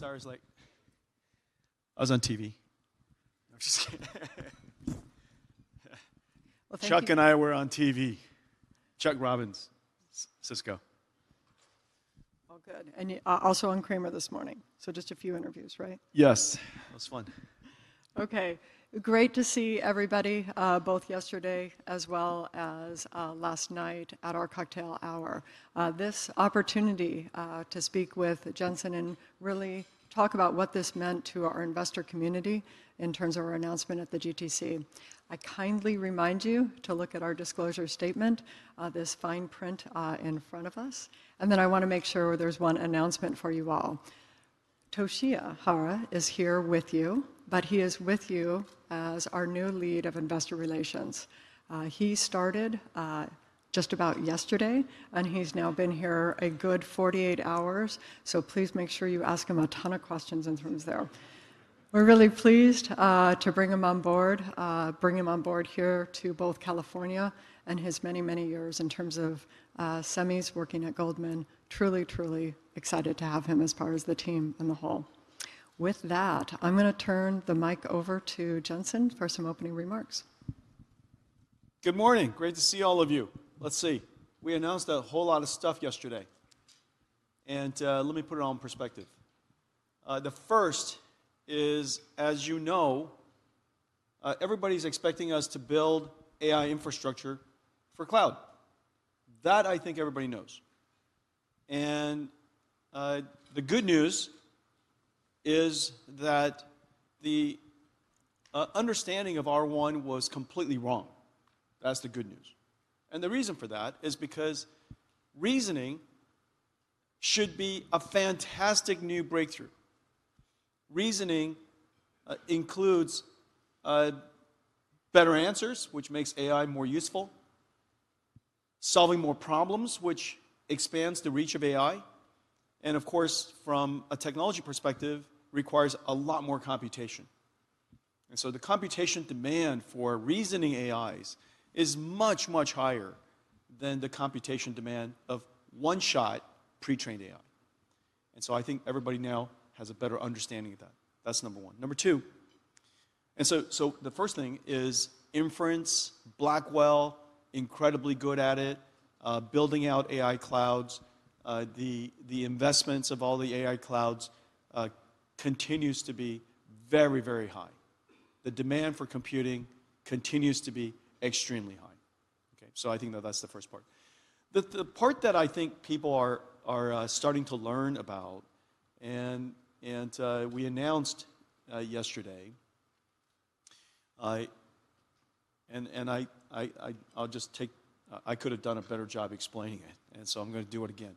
Sorry, I was like—I was on TV. I'm just kidding. Thank you. Chuck and I were on TV. Chuck Robbins, Cisco. Oh, good. Also on Kramer this morning. Just a few interviews, right? Yes. That was fun. Okay. Great to see everybody, both yesterday as well as last night at our cocktail hour. This opportunity to speak with Jensen and really talk about what this meant to our investor community in terms of our announcement at the GTC. I kindly remind you to look at our disclosure statement, this fine print in front of us. I want to make sure there's one announcement for you all. Toshiya Hari is here with you, but he is with you as our new lead of investor relations. He started just about yesterday, and he's now been here a good 48 hours. Please make sure you ask him a ton of questions in terms of there. We're really pleased to bring him on board, bring him on board here to both California and his many, many years in terms of semis working at Goldman. Truly, truly excited to have him as part of the team and the whole. With that, I'm going to turn the mic over to Jensen for some opening remarks. Good morning. Great to see all of you. Let's see. We announced a whole lot of stuff yesterday. Let me put it all in perspective. The first is, as you know, everybody's expecting us to build AI infrastructure for cloud. That, I think everybody knows. The good news is that the understanding of R1 was completely wrong. That's the good news. The reason for that is because reasoning should be a fantastic new breakthrough. Reasoning includes better answers, which makes AI more useful, solving more problems, which expands the reach of AI. Of course, from a technology perspective, it requires a lot more computation. The computation demand for reasoning AIs is much, much higher than the computation demand of one-shot pre-trained AI. I think everybody now has a better understanding of that. That's number one. Number two. The first thing is inference, Blackwell, incredibly good at it, building out AI clouds. The investments of all the AI clouds continue to be very, very high. The demand for computing continues to be extremely high. I think that is the first part. The part that I think people are starting to learn about, and we announced yesterday, and I'll just take—I could have done a better job explaining it. I'm going to do it again.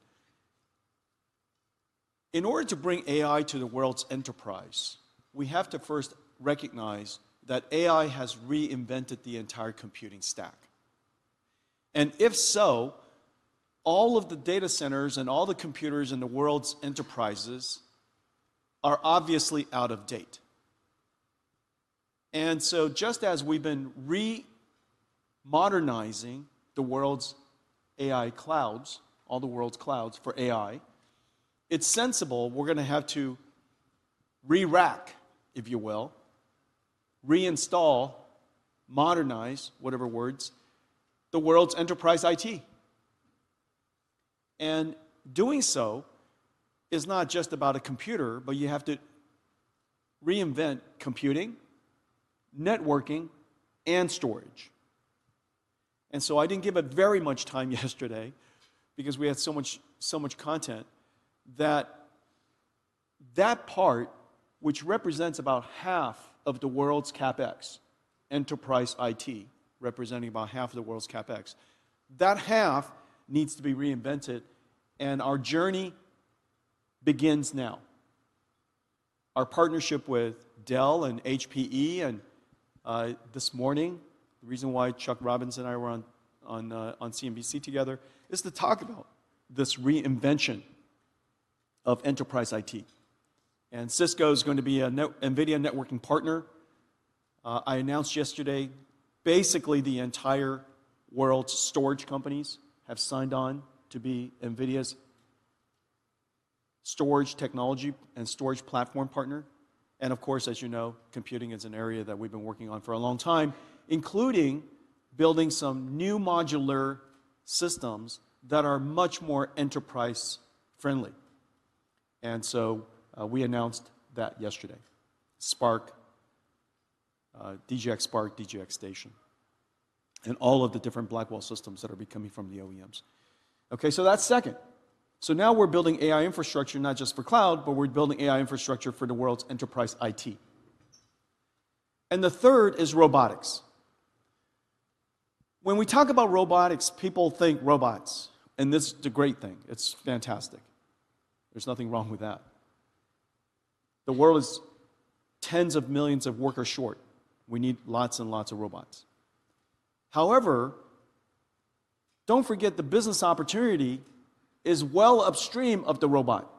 In order to bring AI to the world's enterprise, we have to first recognize that AI has reinvented the entire computing stack. If so, all of the data centers and all the computers in the world's enterprises are obviously out of date. Just as we've been re-modernizing the world's AI clouds, all the world's clouds for AI, it's sensible we're going to have to re-rack, if you will, reinstall, modernize, whatever words, the world's enterprise IT. Doing so is not just about a computer, but you have to reinvent computing, networking, and storage. I didn't give it very much time yesterday because we had so much content that that part, which represents about half of the world's CapEx, enterprise IT representing about half of the world's CapEx, that half needs to be reinvented. Our journey begins now. Our partnership with Dell and HPE, and this morning, the reason why Chuck Robbins and I were on CNBC together is to talk about this reinvention of enterprise IT. Cisco is going to be a NVIDIA networking partner. I announced yesterday basically the entire world's storage companies have signed on to be NVIDIA's storage technology and storage platform partner. Of course, as you know, computing is an area that we've been working on for a long time, including building some new modular systems that are much more enterprise-friendly. We announced that yesterday, Spark, DGX Spark, DGX Station, and all of the different Blackwell systems that are coming from the OEMs. Okay. That's second. Now we're building AI infrastructure not just for cloud, but we're building AI infrastructure for the world's enterprise IT. The third is robotics. When we talk about robotics, people think robots. This is the great thing. It's fantastic. There's nothing wrong with that. The world is tens of millions of workers short. We need lots and lots of robots. However, don't forget the business opportunity is well upstream of the robot.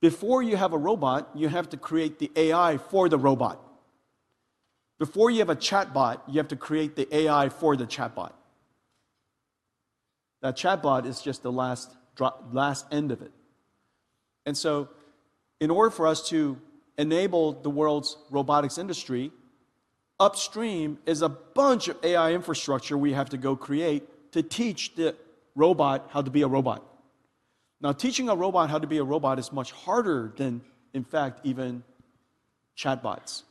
Before you have a robot, you have to create the AI for the robot. Before you have a chatbot, you have to create the AI for the chatbot. That chatbot is just the last end of it. In order for us to enable the world's robotics industry, upstream is a bunch of AI infrastructure we have to go create to teach the robot how to be a robot. Now, teaching a robot how to be a robot is much harder than, in fact, even chatbots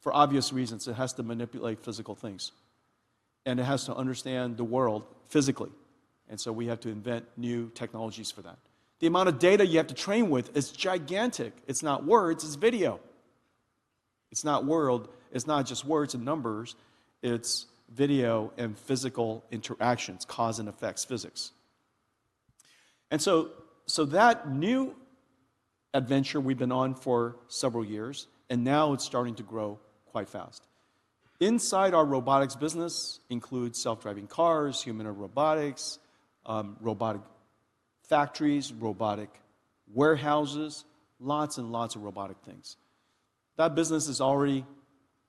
for obvious reasons. It has to manipulate physical things, and it has to understand the world physically. We have to invent new technologies for that. The amount of data you have to train with is gigantic. It's not words, it's video. It's not just words and numbers. It's video and physical interactions, cause and effects, physics. That new adventure we've been on for several years, and now it's starting to grow quite fast. Inside our robotics business includes self-driving cars, humanoid robotics, robotic factories, robotic warehouses, lots and lots of robotic things. That business is already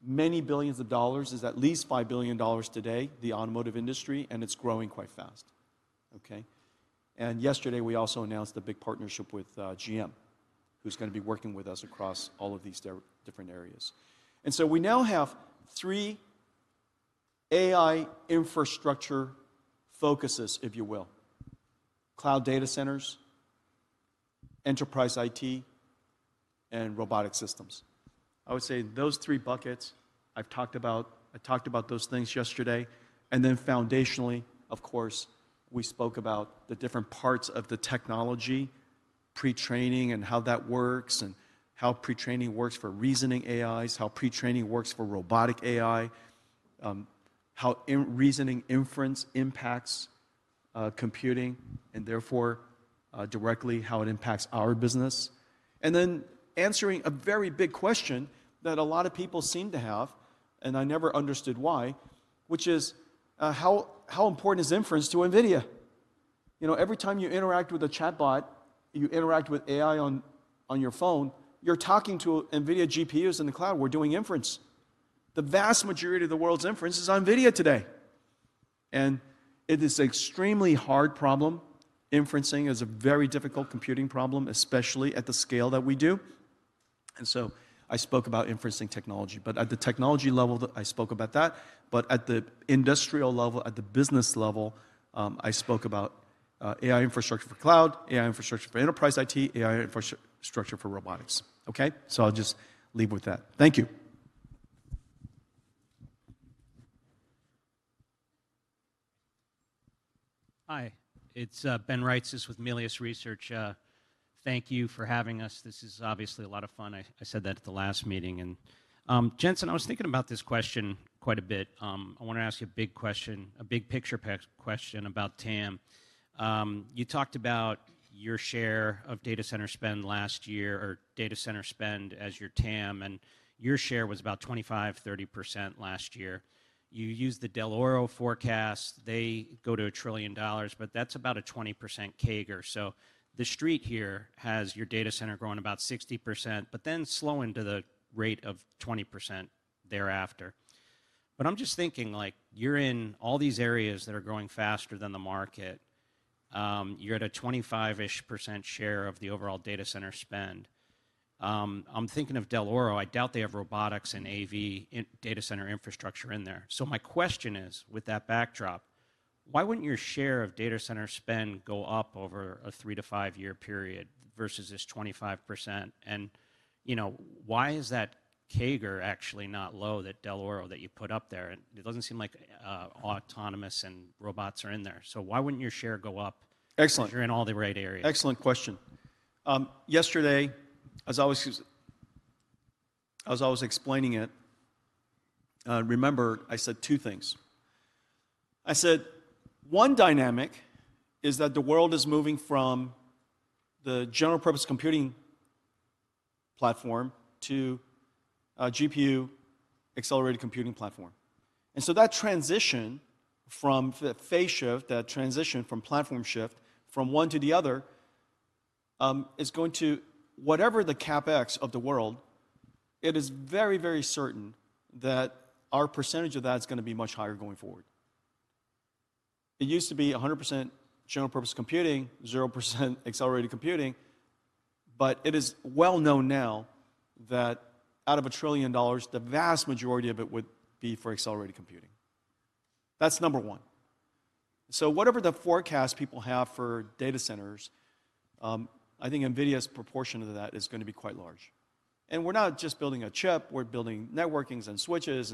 many billions of dollars. It's at least $5 billion today, the automotive industry, and it's growing quite fast. Yesterday, we also announced a big partnership with GM, who's going to be working with us across all of these different areas. We now have three AI infrastructure focuses, if you will: cloud data centers, enterprise IT, and robotic systems. I would say those three buckets I've talked about. I talked about those things yesterday. Foundationally, of course, we spoke about the different parts of the technology, pre-training and how that works, and how pre-training works for reasoning AIs, how pre-training works for robotic AI, how reasoning inference impacts computing, and therefore directly how it impacts our business. Answering a very big question that a lot of people seem to have, and I never understood why, which is how important is inference to NVIDIA? Every time you interact with a chatbot, you interact with AI on your phone, you're talking to NVIDIA GPUs in the cloud. We're doing inference. The vast majority of the world's inference is on NVIDIA today. It is an extremely hard problem. Inferencing is a very difficult computing problem, especially at the scale that we do. I spoke about inferencing technology, but at the technology level, I spoke about that. At the industrial level, at the business level, I spoke about AI infrastructure for cloud, AI infrastructure for enterprise IT, AI infrastructure for robotics. Okay. I'll just leave with that. Thank you. Hi. It's Ben Reitzes with Melius Research. Thank you for having us. This is obviously a lot of fun. I said that at the last meeting. Jensen, I was thinking about this question quite a bit. I want to ask you a big question, a big picture question about TAM. You talked about your share of data center spend last year or data center spend as your TAM, and your share was about 25%-30% last year. You used the Dell'Oro forecast. They go to a trillion dollars, but that's about a 20% CAGR. The street here has your data center growing about 60%, but then slowing to the rate of 20% thereafter. I'm just thinking like you're in all these areas that are growing faster than the market. You're at a 25%-ish share of the overall data center spend. I'm thinking of Dell'Oro. I doubt they have robotics and AV data center infrastructure in there. My question is, with that backdrop, why wouldn't your share of data center spend go up over a three- to five-year period versus this 25%? Why is that CAGR actually not lower than Dell'Oro that you put up there? It doesn't seem like autonomous and robots are in there. Why wouldn't your share go up if you're in all the right areas? Excellent question. Yesterday, as I was explaining it, remember I said two things. I said one dynamic is that the world is moving from the general-purpose computing platform to GPU accelerated computing platform. That transition from the phase shift, that transition from platform shift from one to the other is going to whatever the CapEx of the world, it is very, very certain that our percentage of that is going to be much higher going forward. It used to be 100% general-purpose computing, 0% accelerated computing, but it is well known now that out of a trillion dollars, the vast majority of it would be for accelerated computing. That's number one. Whatever the forecast people have for data centers, I think NVIDIA's proportion of that is going to be quite large. We're not just building a chip. We're building networkings and switches.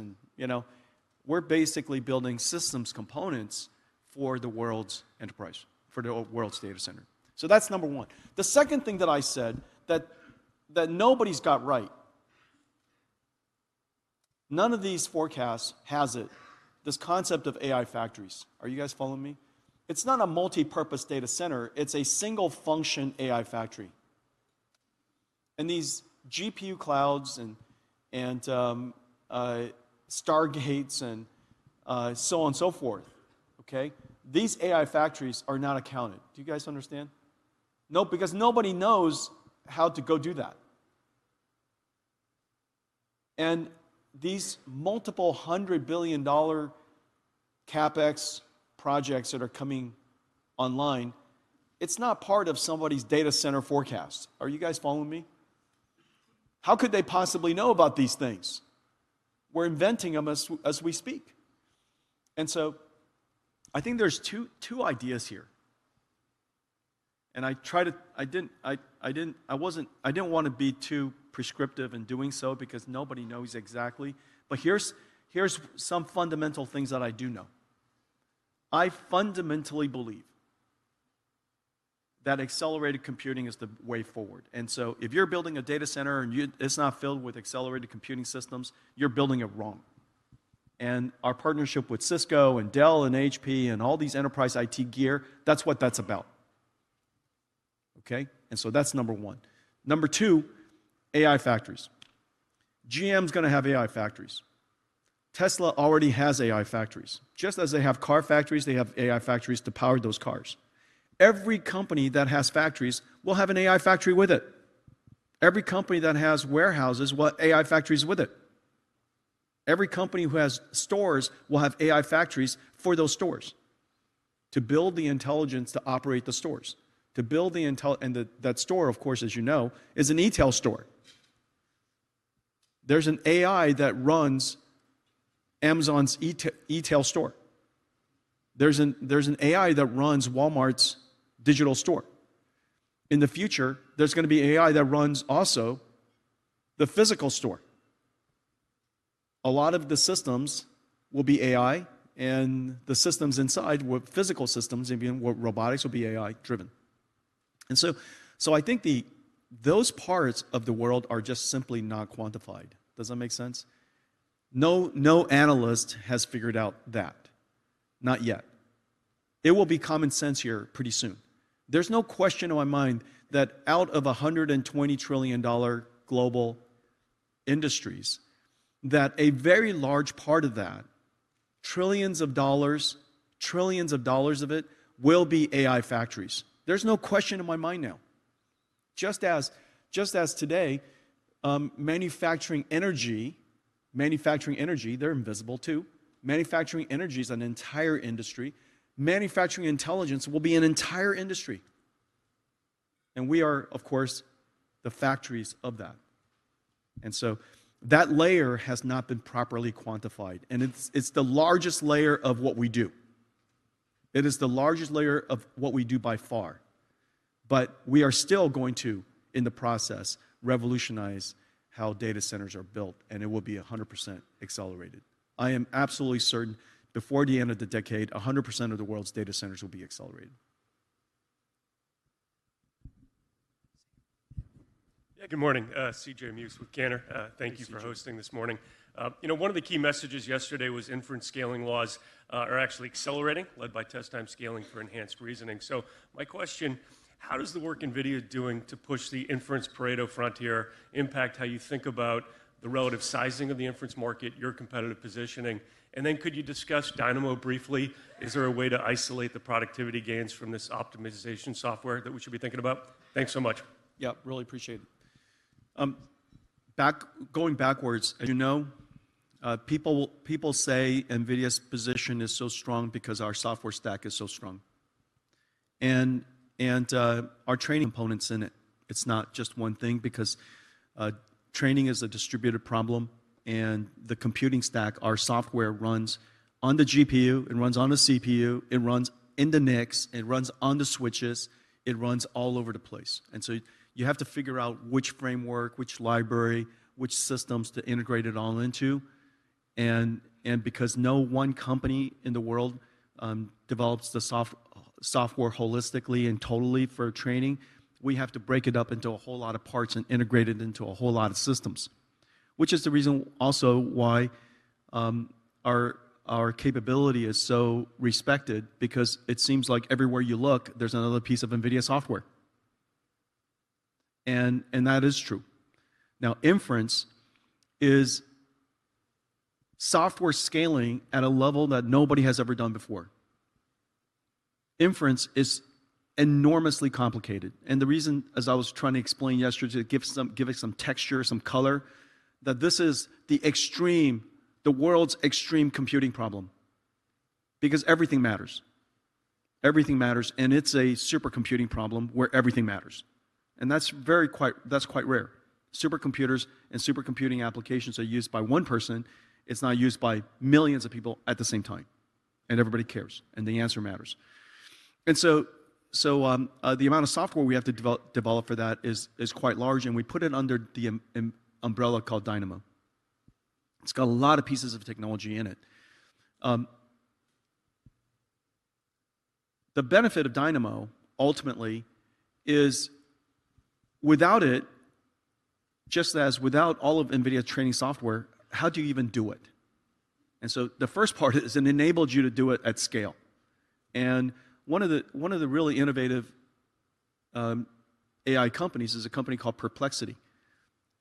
We're basically building systems components for the world's enterprise, for the world's data center. That's number one. The second thing that I said that nobody's got right, none of these forecasts has it, this concept of AI factories. Are you guys following me? It's not a multipurpose data center. It's a single-function AI factory. These GPU clouds and Stargates and so on and so forth, these AI factories are not accounted. Do you guys understand? No, because nobody knows how to go do that. These multiple hundred billion dollar CapEx projects that are coming online, it's not part of somebody's data center forecast. Are you guys following me? How could they possibly know about these things? We're inventing them as we speak. I think there's two ideas here. I tried to—I did not want to be too prescriptive in doing so because nobody knows exactly. Here are some fundamental things that I do know. I fundamentally believe that accelerated computing is the way forward. If you are building a data center and it is not filled with accelerated computing systems, you are building it wrong. Our partnership with Cisco and Dell and HP and all these enterprise IT gear, that is what that is about. That is number one. Number two, AI factories. GM is going to have AI factories. Tesla already has AI factories. Just as they have car factories, they have AI factories to power those cars. Every company that has factories will have an AI factory with it. Every company that has warehouses will have AI factories with it. Every company who has stores will have AI factories for those stores to build the intelligence to operate the stores, to build the—and that store, of course, as you know, is an E Tel store. There's an AI that runs Amazon's E Tel store. There's an AI that runs Walmart's digital store. In the future, there's going to be AI that runs also the physical store. A lot of the systems will be AI, and the systems inside with physical systems and robotics will be AI-driven. I think those parts of the world are just simply not quantified. Does that make sense? No analyst has figured out that. Not yet. It will be common sense here pretty soon. There's no question in my mind that out of $120 trillion global industries, that a very large part of that, trillions of dollars, trillions of dollars of it will be AI factories. There's no question in my mind now. Just as today, manufacturing energy, manufacturing energy, they're invisible too. Manufacturing energy is an entire industry. Manufacturing intelligence will be an entire industry. We are, of course, the factories of that. That layer has not been properly quantified. It is the largest layer of what we do. It is the largest layer of what we do by far. We are still going to, in the process, revolutionize how data centers are built, and it will be 100% accelerated. I am absolutely certain before the end of the decade, 100% of the world's data centers will be accelerated. Yeah. Good morning. CJ Muse with Cantor. Thank you for hosting this morning. One of the key messages yesterday was inference scaling laws are actually accelerating, led by test time scaling for enhanced reasoning. So my question, how is the work NVIDIA is doing to push the inference Pareto frontier impact how you think about the relative sizing of the inference market, your competitive positioning? And then could you discuss Dynamo briefly? Is there a way to isolate the productivity gains from this optimization software that we should be thinking about? Thanks so much. Yeah. Really appreciate it. Going backwards, as you know, people say NVIDIA's position is so strong because our software stack is so strong. And our training components in it. It's not just one thing because training is a distributed problem. The computing stack, our software runs on the GPU. It runs on the CPU. It runs in the NICs. It runs on the switches. It runs all over the place. You have to figure out which framework, which library, which systems to integrate it all into. Because no one company in the world develops the software holistically and totally for training, we have to break it up into a whole lot of parts and integrate it into a whole lot of systems, which is the reason also why our capability is so respected because it seems like everywhere you look, there's another piece of NVIDIA software. That is true. Now, inference is software scaling at a level that nobody has ever done before. Inference is enormously complicated. The reason, as I was trying to explain yesterday, to give it some texture, some color, is that this is the extreme, the world's extreme computing problem because everything matters. Everything matters. It is a supercomputing problem where everything matters. That is quite rare. Supercomputers and supercomputing applications are used by one person. It is not used by millions of people at the same time. Everybody cares. The answer matters. The amount of software we have to develop for that is quite large. We put it under the umbrella called Dynamo. It has a lot of pieces of technology in it. The benefit of Dynamo, ultimately, is without it, just as without all of NVIDIA's training software, how do you even do it? The first part is it enables you to do it at scale. One of the really innovative AI companies is a company called Perplexity.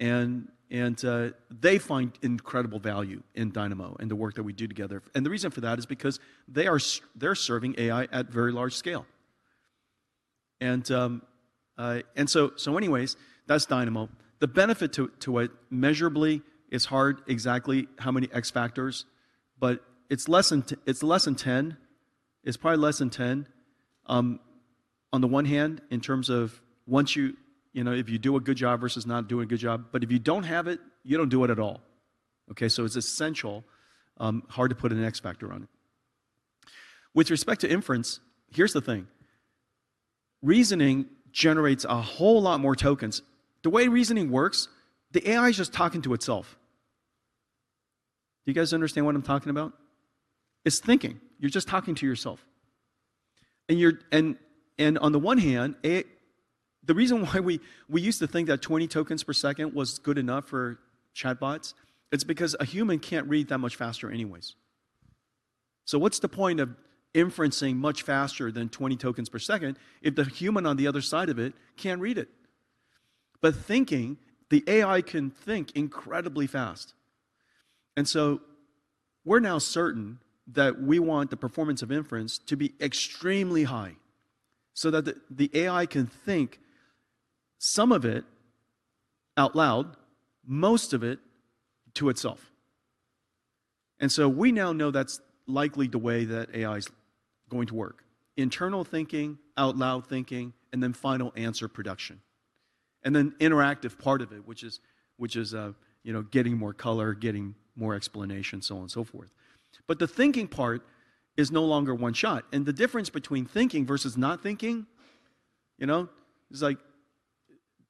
They find incredible value in Dynamo and the work that we do together. The reason for that is because they're serving AI at very large scale. Anyways, that's Dynamo. The benefit to it measurably is hard exactly how many X factors, but it's less than 10. It's probably less than 10 on the one hand in terms of if you do a good job versus not doing a good job. If you don't have it, you don't do it at all. Okay. It's essential, hard to put an X factor on it. With respect to inference, here's the thing. Reasoning generates a whole lot more tokens. The way reasoning works, the AI is just talking to itself. Do you guys understand what I'm talking about? It's thinking. You're just talking to yourself. On the one hand, the reason why we used to think that 20 tokens per second was good enough for chatbots is because a human can't read that much faster anyways. What's the point of inferencing much faster than 20 tokens per second if the human on the other side of it can't read it? Thinking, the AI can think incredibly fast. We are now certain that we want the performance of inference to be extremely high so that the AI can think some of it out loud, most of it to itself. We now know that's likely the way that AI is going to work: internal thinking, out loud thinking, and then final answer production, and then interactive part of it, which is getting more color, getting more explanation, so on and so forth. The thinking part is no longer one shot. The difference between thinking versus not thinking is like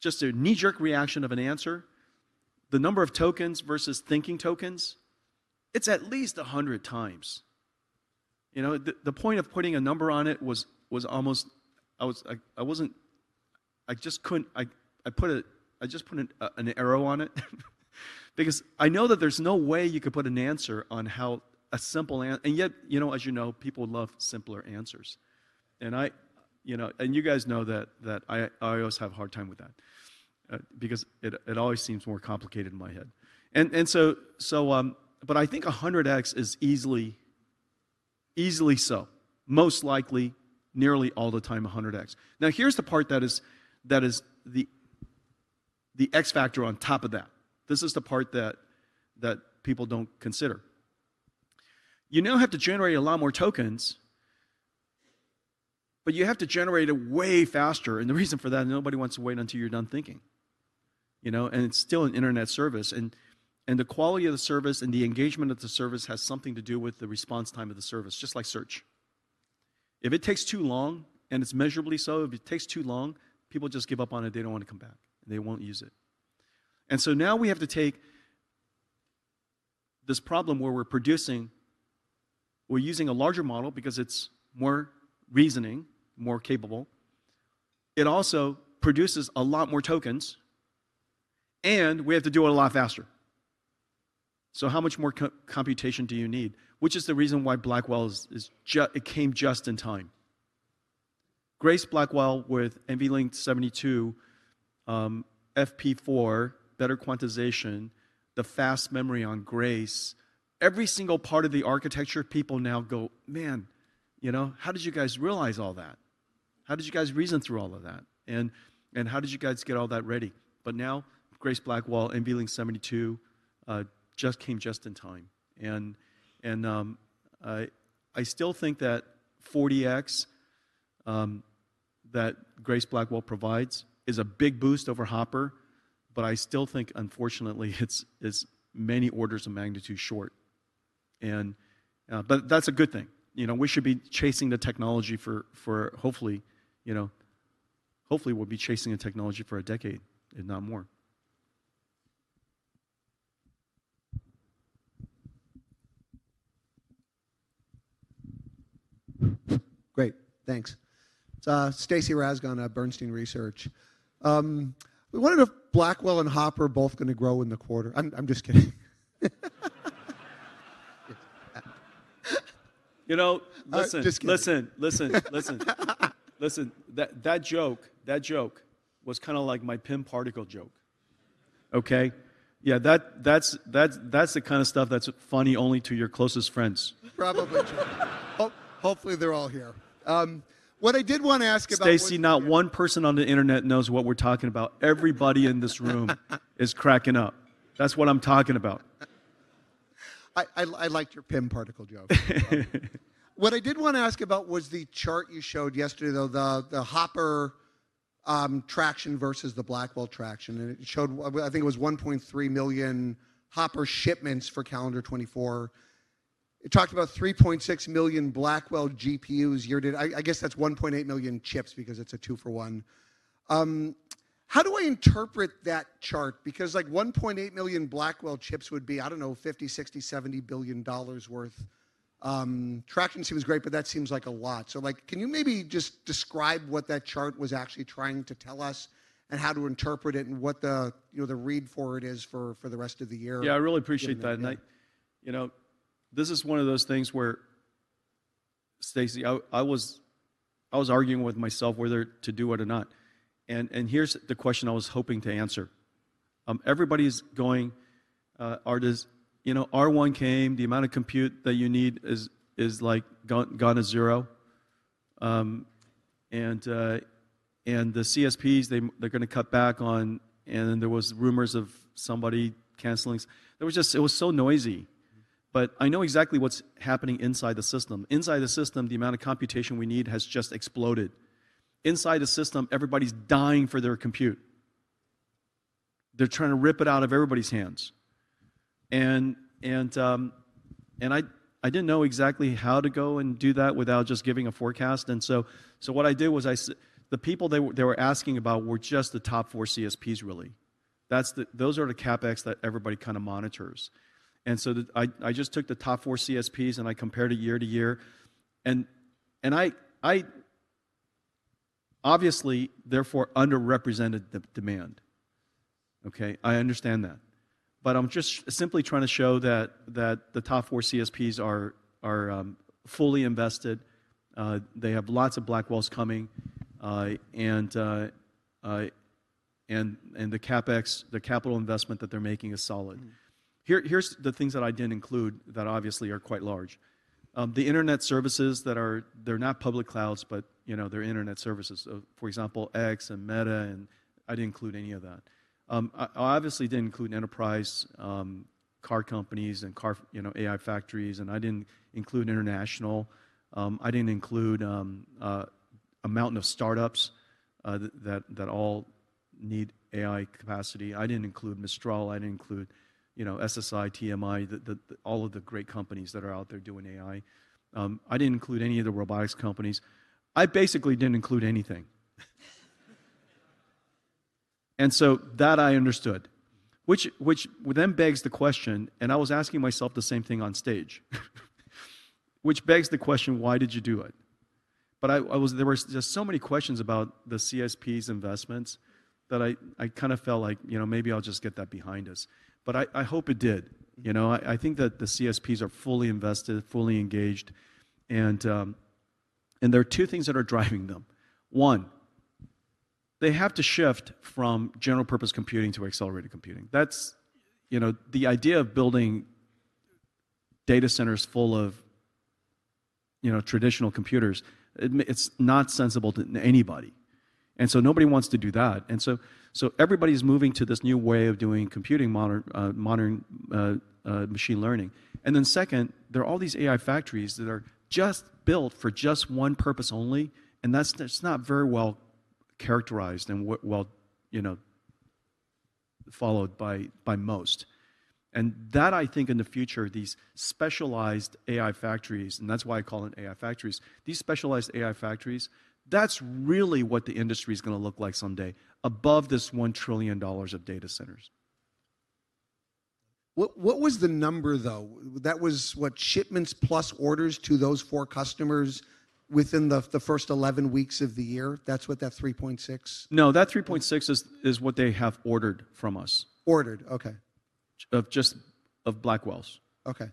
just a knee-jerk reaction of an answer. The number of tokens versus thinking tokens, it's at least 100 times. The point of putting a number on it was almost I just put an arrow on it because I know that there's no way you could put an answer on how a simple answer—and yet, as you know, people love simpler answers. You guys know that I always have a hard time with that because it always seems more complicated in my head. I think 100X is easily so, most likely nearly all the time 100X. Now, here's the part that is the X factor on top of that. This is the part that people don't consider. You now have to generate a lot more tokens, but you have to generate it way faster. The reason for that is nobody wants to wait until you're done thinking. It's still an internet service. The quality of the service and the engagement of the service has something to do with the response time of the service, just like search. If it takes too long, and it's measurably so, if it takes too long, people just give up on it. They don't want to come back. They won't use it. Now we have to take this problem where we're producing, we're using a larger model because it's more reasoning, more capable. It also produces a lot more tokens, and we have to do it a lot faster. How much more computation do you need? Which is the reason why Blackwell came just in time. Grace Blackwell with NVLink 72, FP4, better quantization, the fast memory on Grace. Every single part of the architecture, people now go, "Man, how did you guys realize all that? How did you guys reason through all of that? And how did you guys get all that ready?" Grace Blackwell, NVLink 72, just came just in time. I still think that 40X that Grace Blackwell provides is a big boost over Hopper, but I still think, unfortunately, it's many orders of magnitude short. That's a good thing. We should be chasing the technology for, hopefully, we'll be chasing the technology for a decade and not more. Great. Thanks. Stacy Rasgon, Bernstein Research. We wondered if Blackwell and Hopper are both going to grow in the quarter. I'm just kidding. Listen, listen, listen, listen. Listen, that joke, that joke was kind of like my pin particle joke. Okay. Yeah. That's the kind of stuff that's funny only to your closest friends. Probably true. Hopefully, they're all here. What I did want to ask about. Stacy, not one person on the internet knows what we're talking about. Everybody in this room is cracking up. That's what I'm talking about. I liked your pin particle joke. What I did want to ask about was the chart you showed yesterday, though, the Hopper traction versus the Blackwell traction. It showed, I think it was 1.3 million Hopper shipments for calendar 2024. It talked about 3.6 million Blackwell GPUs yearly. I guess that's 1.8 million chips because it's a two-for-one. How do I interpret that chart? Because 1.8 million Blackwell chips would be, I don't know, $50 billion-$60 billion-$70 billion worth. Traction seems great, but that seems like a lot. Can you maybe just describe what that chart was actually trying to tell us and how to interpret it and what the read for it is for the rest of the year? Yeah. I really appreciate that. This is one of those things where, Stacy, I was arguing with myself whether to do it or not. Here's the question I was hoping to answer. Everybody's going, "R1 came. The amount of compute that you need is gone to zero." The CSPs, they're going to cut back on, and there were rumors of somebody canceling. It was so noisy. I know exactly what's happening inside the system. Inside the system, the amount of computation we need has just exploded. Inside the system, everybody's dying for their compute. They're trying to rip it out of everybody's hands. I didn't know exactly how to go and do that without just giving a forecast. What I did was the people they were asking about were just the top four CSPs, really. Those are the CapEx that everybody kind of monitors. I just took the top four CSPs and I compared it year to year. I obviously, therefore, underrepresented the demand. Okay. I understand that. I am just simply trying to show that the top four CSPs are fully invested. They have lots of Blackwells coming. The CapEx, the capital investment that they are making is solid. Here are the things that I did not include that obviously are quite large. The internet services that are not public clouds, but they are internet services. For example, X and Meta, and I did not include any of that. I obviously did not include enterprise car companies and AI factories. I did not include international. I did not include a mountain of startups that all need AI capacity. I did not include Mistral. I didn't include SSI, TMI, all of the great companies that are out there doing AI. I didn't include any of the robotics companies. I basically didn't include anything. That I understood, which then begs the question, and I was asking myself the same thing on stage, which begs the question, "Why did you do it?" There were just so many questions about the CSPs' investments that I kind of felt like maybe I'll just get that behind us. I hope it did. I think that the CSPs are fully invested, fully engaged. There are two things that are driving them. One, they have to shift from general-purpose computing to accelerated computing. The idea of building data centers full of traditional computers, it's not sensible to anybody. Nobody wants to do that. Everybody's moving to this new way of doing computing, modern machine learning. Second, there are all these AI factories that are just built for just one purpose only, and that's not very well characterized and well followed by most. I think, in the future, these specialized AI factories, and that's why I call them AI factories, these specialized AI factories, that's really what the industry is going to look like someday above this $1 trillion of data centers. What was the number, though? That was what, shipments plus orders to those four customers within the first 11 weeks of the year. That's what, that 3.6? No, that 3.6 is what they have ordered from us. Ordered. Okay. Of just Blackwells. Okay.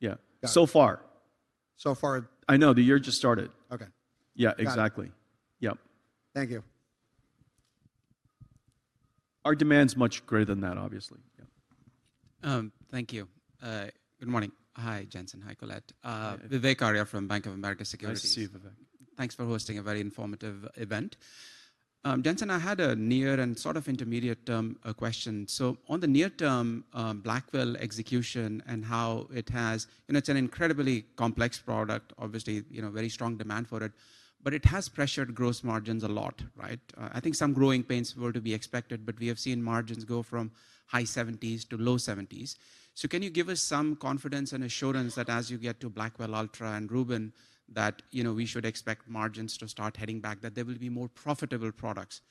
Yeah, so far. So far. I know. The year just started. Okay. Yeah. Exactly. Yep. Thank you. Our demand's much greater than that, obviously. Yeah. Thank you. Good morning. Hi, Jensen. Hi, Colette. Vivek Arya from Bank of America Securities. Hi, Steve Vivek. Thanks for hosting a very informative event. Jensen, I had a near and sort of intermediate-term question. On the near-term, Blackwell execution and how it has, it's an incredibly complex product, obviously, very strong demand for it, but it has pressured gross margins a lot, right? I think some growing pains were to be expected, but we have seen margins go from high 70s to low 70s. Can you give us some confidence and assurance that as you get to Blackwell Ultra and Rubin, we should expect margins to start heading back, that there will be more profitable products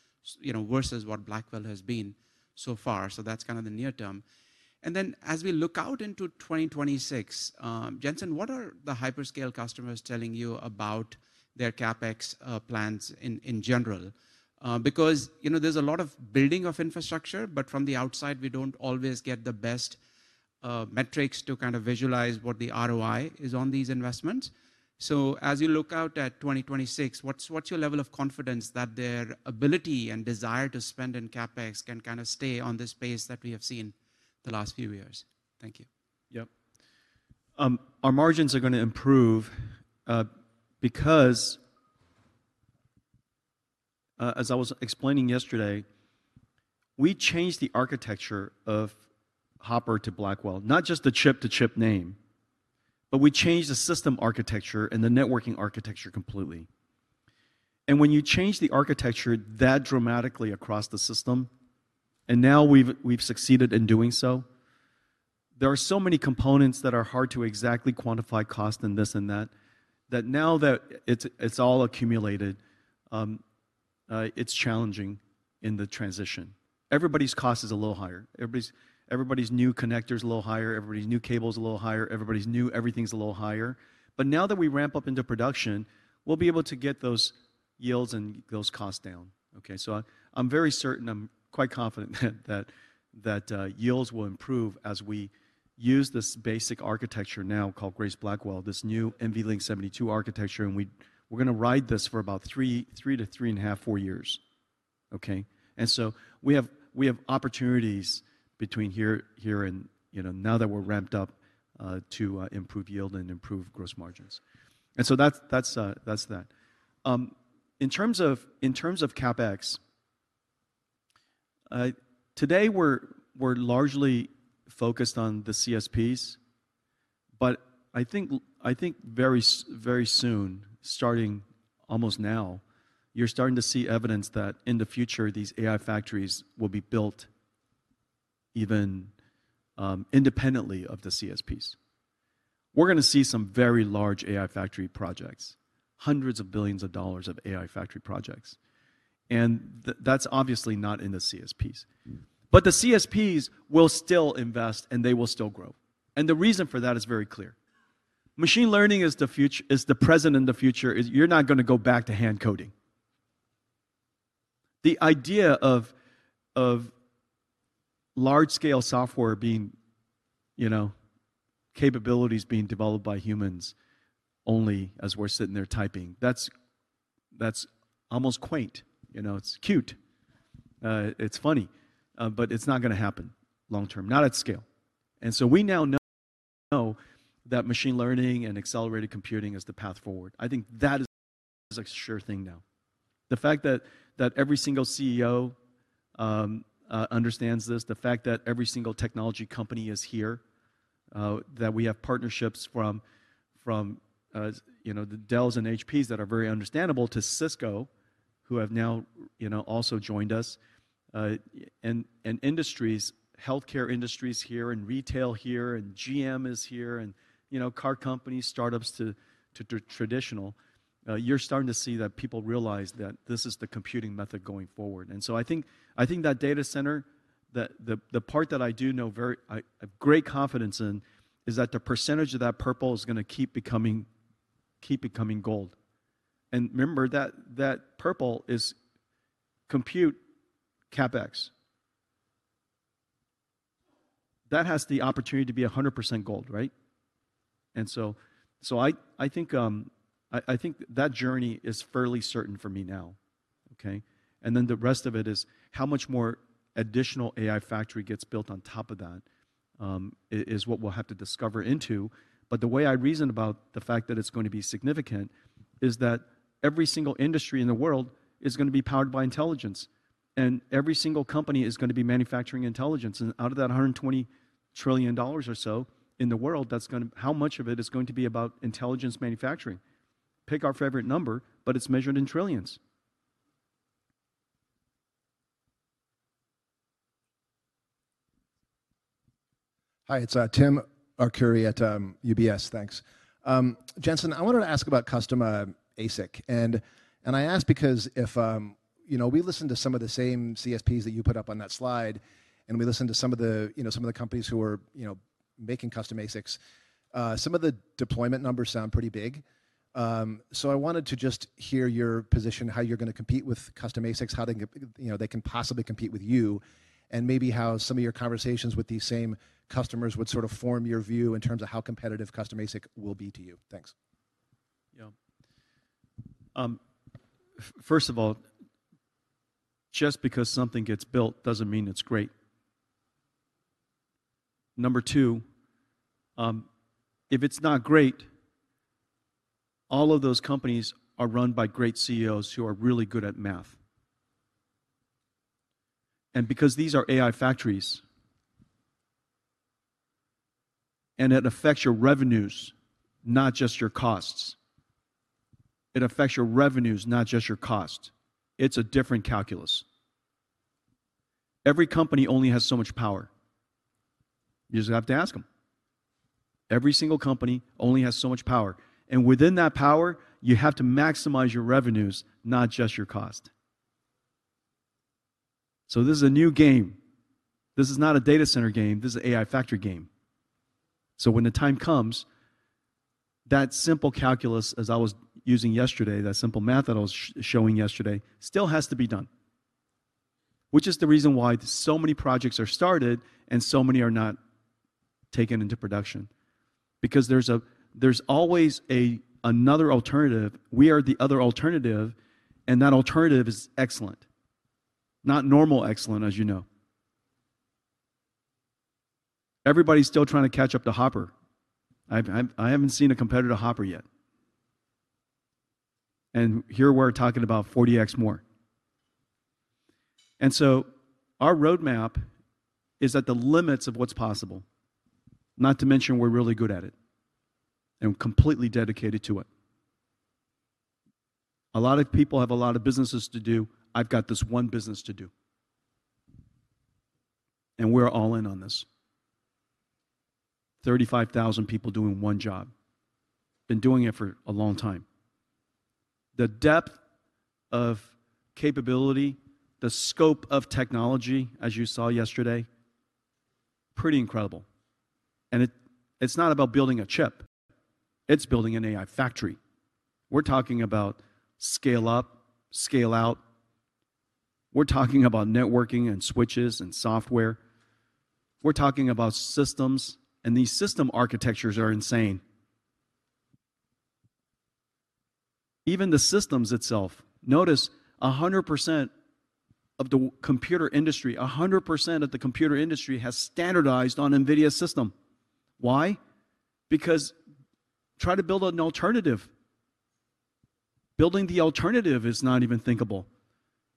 versus what Blackwell has been so far? That's kind of the near-term. As we look out into 2026, Jensen, what are the hyperscale customers telling you about their CapEx plans in general? Because there's a lot of building of infrastructure, but from the outside, we don't always get the best metrics to kind of visualize what the ROI is on these investments. As you look out at 2026, what's your level of confidence that their ability and desire to spend in CapEx can kind of stay on this pace that we have seen the last few years? Thank you. Yep. Our margins are going to improve because, as I was explaining yesterday, we changed the architecture of Hopper to Blackwell, not just the chip-to-chip name, but we changed the system architecture and the networking architecture completely. When you change the architecture that dramatically across the system, and now we've succeeded in doing so, there are so many components that are hard to exactly quantify cost and this and that, that now that it's all accumulated, it's challenging in the transition. Everybody's cost is a little higher. Everybody's new connector is a little higher. Everybody's new cable is a little higher. Everybody's new, everything's a little higher. Now that we ramp up into production, we'll be able to get those yields and those costs down. Okay. I'm very certain, I'm quite confident that yields will improve as we use this basic architecture now called Grace Blackwell, this new NVLink 72 architecture. We're going to ride this for about three to three and a half, four years. Okay. We have opportunities between here and now that we're ramped up to improve yield and improve gross margins. That's that. In terms of CapEx, today we're largely focused on the CSPs, but I think very soon, starting almost now, you're starting to see evidence that in the future, these AI factories will be built even independently of the CSPs. We're going to see some very large AI factory projects, hundreds of billions of dollars of AI factory projects. That's obviously not in the CSPs. The CSPs will still invest, and they will still grow. The reason for that is very clear. Machine learning is the present and the future. You're not going to go back to hand coding. The idea of large-scale software capabilities being developed by humans only as we're sitting there typing, that's almost quaint. It's cute. It's funny. It's not going to happen long term, not at scale. We now know that machine learning and accelerated computing is the path forward. I think that is a sure thing now. The fact that every single CEO understands this, the fact that every single technology company is here, that we have partnerships from the Dells and HPs that are very understandable to Cisco, who have now also joined us, and industries, healthcare industries here and retail here and GM is here and car companies, startups to traditional, you're starting to see that people realize that this is the computing method going forward. I think that data center, the part that I do know very great confidence in, is that the percentage of that purple is going to keep becoming gold. Remember, that purple is compute CapEx. That has the opportunity to be 100% gold, right? I think that journey is fairly certain for me now. Okay. The rest of it is how much more additional AI factory gets built on top of that is what we'll have to discover into. The way I reason about the fact that it's going to be significant is that every single industry in the world is going to be powered by intelligence. Every single company is going to be manufacturing intelligence. Out of that $120 trillion or so in the world, how much of it is going to be about intelligence manufacturing? Pick our favorite number, but it's measured in trillions. Hi, it's Tim Arcuri at UBS. Thanks. Jensen, I wanted to ask about custom ASIC. I ask because we listened to some of the same CSPs that you put up on that slide, and we listened to some of the companies who are making custom ASICs. Some of the deployment numbers sound pretty big. I wanted to just hear your position, how you're going to compete with custom ASICs, how they can possibly compete with you, and maybe how some of your conversations with these same customers would sort of form your view in terms of how competitive custom ASIC will be to you. Thanks. Yeah. First of all, just because something gets built does not mean it is great. Number two, if it is not great, all of those companies are run by great CEOs who are really good at math. Because these are AI factories, and it affects your revenues, not just your costs. It affects your revenues, not just your cost. It is a different calculus. Every company only has so much power. You just have to ask them. Every single company only has so much power. Within that power, you have to maximize your revenues, not just your cost. This is a new game. This is not a data center game. This is an AI factory game. When the time comes, that simple calculus, as I was using yesterday, that simple math that I was showing yesterday, still has to be done, which is the reason why so many projects are started and so many are not taken into production. Because there's always another alternative. We are the other alternative, and that alternative is excellent. Not normal excellent, as you know. Everybody's still trying to catch up to Hopper. I haven't seen a competitor to Hopper yet. Here we're talking about 40x more. Our roadmap is at the limits of what's possible, not to mention we're really good at it and completely dedicated to it. A lot of people have a lot of businesses to do. I've got this one business to do. We're all in on this. 35,000 people doing one job. Been doing it for a long time. The depth of capability, the scope of technology, as you saw yesterday, pretty incredible. It is not about building a chip. It is building an AI factory. We are talking about scale up, scale out. We are talking about networking and switches and software. We are talking about systems. These system architectures are insane. Even the systems itself, notice 100% of the computer industry, 100% of the computer industry has standardized on NVIDIA's system. Why? Because try to build an alternative. Building the alternative is not even thinkable.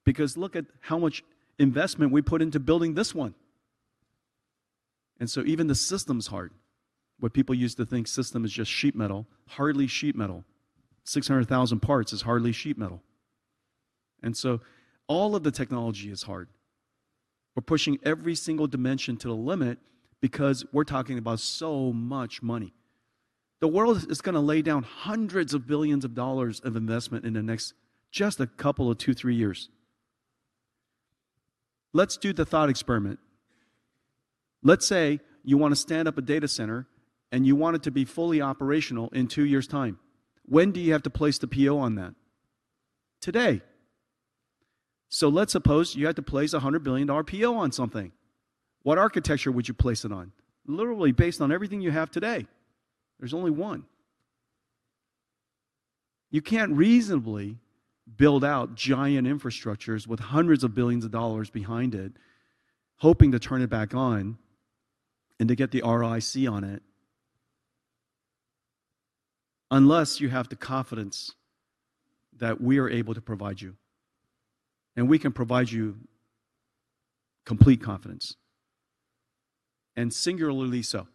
Because look at how much investment we put into building this one. Even the system is hard. What people used to think system is just sheet metal, hardly sheet metal. 600,000 parts is hardly sheet metal. All of the technology is hard. We are pushing every single dimension to the limit because we are talking about so much money. The world is going to lay down hundreds of billions of dollars of investment in the next just a couple of two, three years. Let's do the thought experiment. Let's say you want to stand up a data center, and you want it to be fully operational in two years' time. When do you have to place the PO on that? Today. Let's suppose you had to place a $100 billion PO on something. What architecture would you place it on? Literally based on everything you have today. There's only one. You can't reasonably build out giant infrastructures with hundreds of billions of dollars behind it, hoping to turn it back on and to get the ROIC on it, unless you have the confidence that we are able to provide you. We can provide you complete confidence. And singularly so.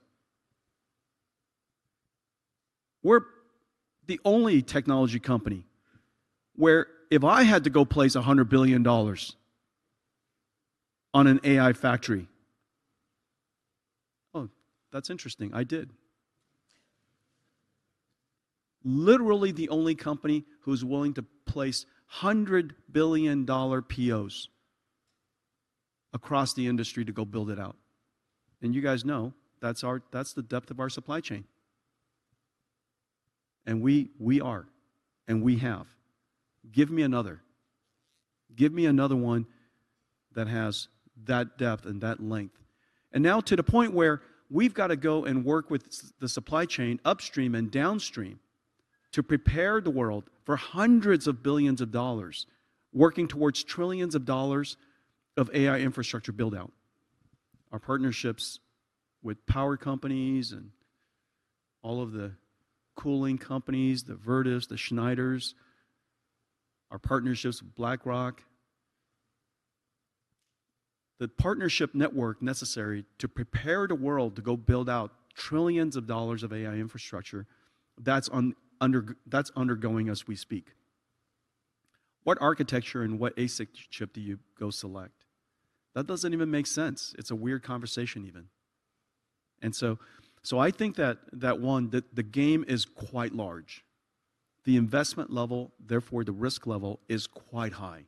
We're the only technology company where if I had to go place $100 billion on an AI factory, oh, that's interesting. I did. Literally the only company who's willing to place $100 billion POs across the industry to go build it out. You guys know that's the depth of our supply chain. We are. We have. Give me another. Give me another one that has that depth and that length. Now to the point where we've got to go and work with the supply chain upstream and downstream to prepare the world for hundreds of billions of dollars working towards trillions of dollars of AI infrastructure build-out. Our partnerships with power companies and all of the cooling companies, the Vertiv, the Schneiders, our partnerships with BlackRock, the partnership network necessary to prepare the world to go build out trillions of dollars of AI infrastructure, that's undergoing as we speak. What architecture and what ASIC chip do you go select? That doesn't even make sense. It's a weird conversation even. I think that, one, the game is quite large. The investment level, therefore the risk level, is quite high.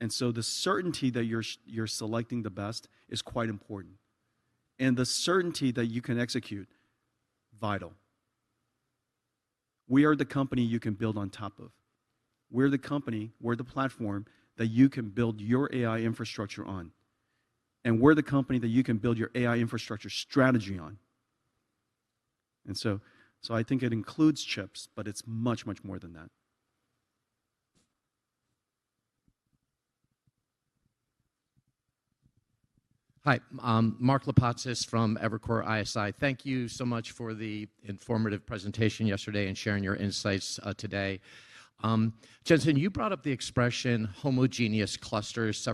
The certainty that you're selecting the best is quite important. The certainty that you can execute, vital. We are the company you can build on top of. We're the company, we're the platform that you can build your AI infrastructure on. We're the company that you can build your AI infrastructure strategy on. I think it includes chips, but it's much, much more than that. Hi, Mark Lipacis from Evercore ISI. Thank you so much for the informative presentation yesterday and sharing your insights today. Jensen, you brought up the expression homogeneous clusters.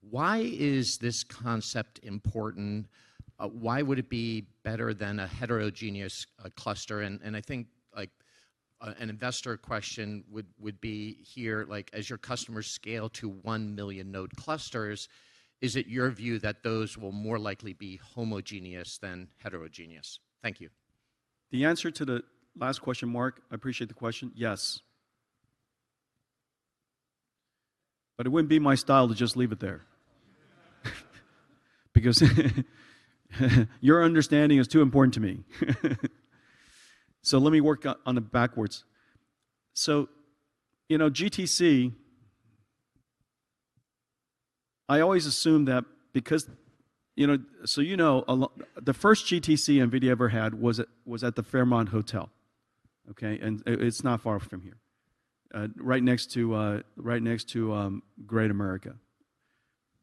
Why is this concept important? Why would it be better than a heterogeneous cluster? I think an investor question would be here, as your customers scale to one million node clusters, is it your view that those will more likely be homogeneous than heterogeneous? Thank you. The answer to the last question, Mark, I appreciate the question. Yes. It would not be my style to just leave it there, because your understanding is too important to me. Let me work on the backwards. GTC, I always assume that because, you know, the first GTC NVIDIA ever had was at the Fairmont Hotel. It is not far from here, right next to Great America.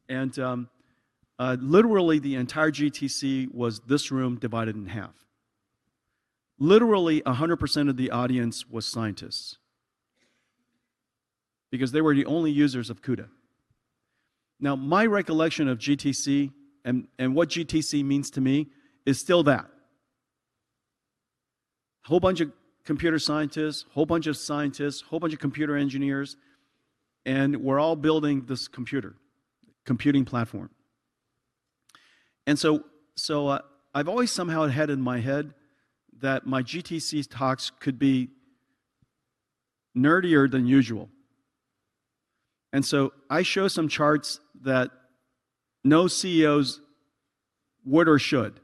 Literally, the entire GTC was this room divided in half. Literally, 100% of the audience was scientists, because they were the only users of CUDA. My recollection of GTC and what GTC means to me is still that. A whole bunch of computer scientists, a whole bunch of scientists, a whole bunch of computer engineers, and we are all building this computer computing platform. I've always somehow had in my head that my GTC talks could be nerdier than usual. I show some charts that no CEOs would or should.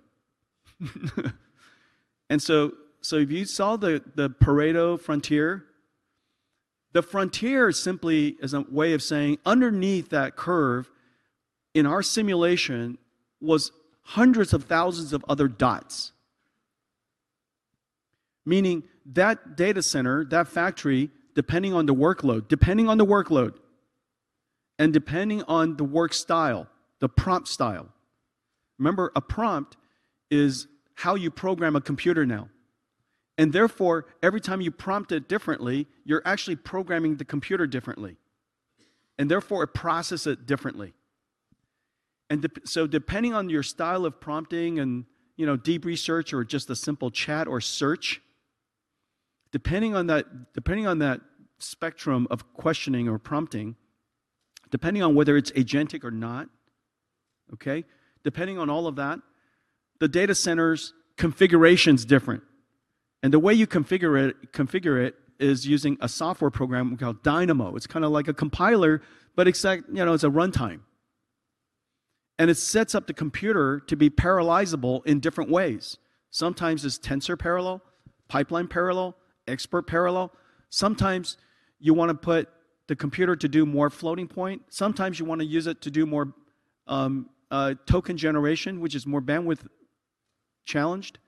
If you saw the Pareto frontier, the frontier simply is a way of saying underneath that curve, in our simulation, was hundreds of thousands of other dots. Meaning that data center, that factory, depending on the workload, depending on the workload, and depending on the work style, the prompt style. Remember, a prompt is how you program a computer now. Therefore, every time you prompt it differently, you're actually programming the computer differently. Therefore, it processes it differently. Depending on your style of prompting and deep research or just a simple chat or search, depending on that spectrum of questioning or prompting, depending on whether it's agentic or not, okay, depending on all of that, the data center's configuration is different. The way you configure it is using a software program called Dynamo. It's kind of like a compiler, but it's a runtime. It sets up the computer to be parallelizable in different ways. Sometimes it's tensor parallel, pipeline parallel, expert parallel. Sometimes you want to put the computer to do more floating point. Sometimes you want to use it to do more token generation, which is more bandwidth challenged.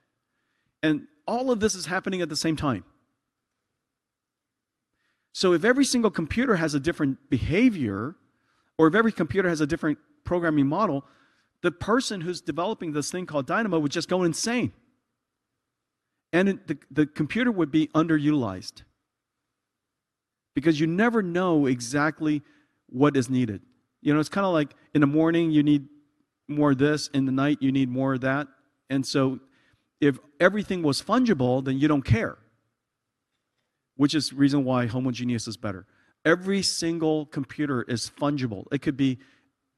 All of this is happening at the same time. If every single computer has a different behavior, or if every computer has a different programming model, the person who's developing this thing called Dynamo would just go insane. The computer would be underutilized because you never know exactly what is needed. It's kind of like in the morning, you need more of this. In the night, you need more of that. If everything was fungible, then you don't care, which is the reason why homogeneous is better. Every single computer is fungible. It could be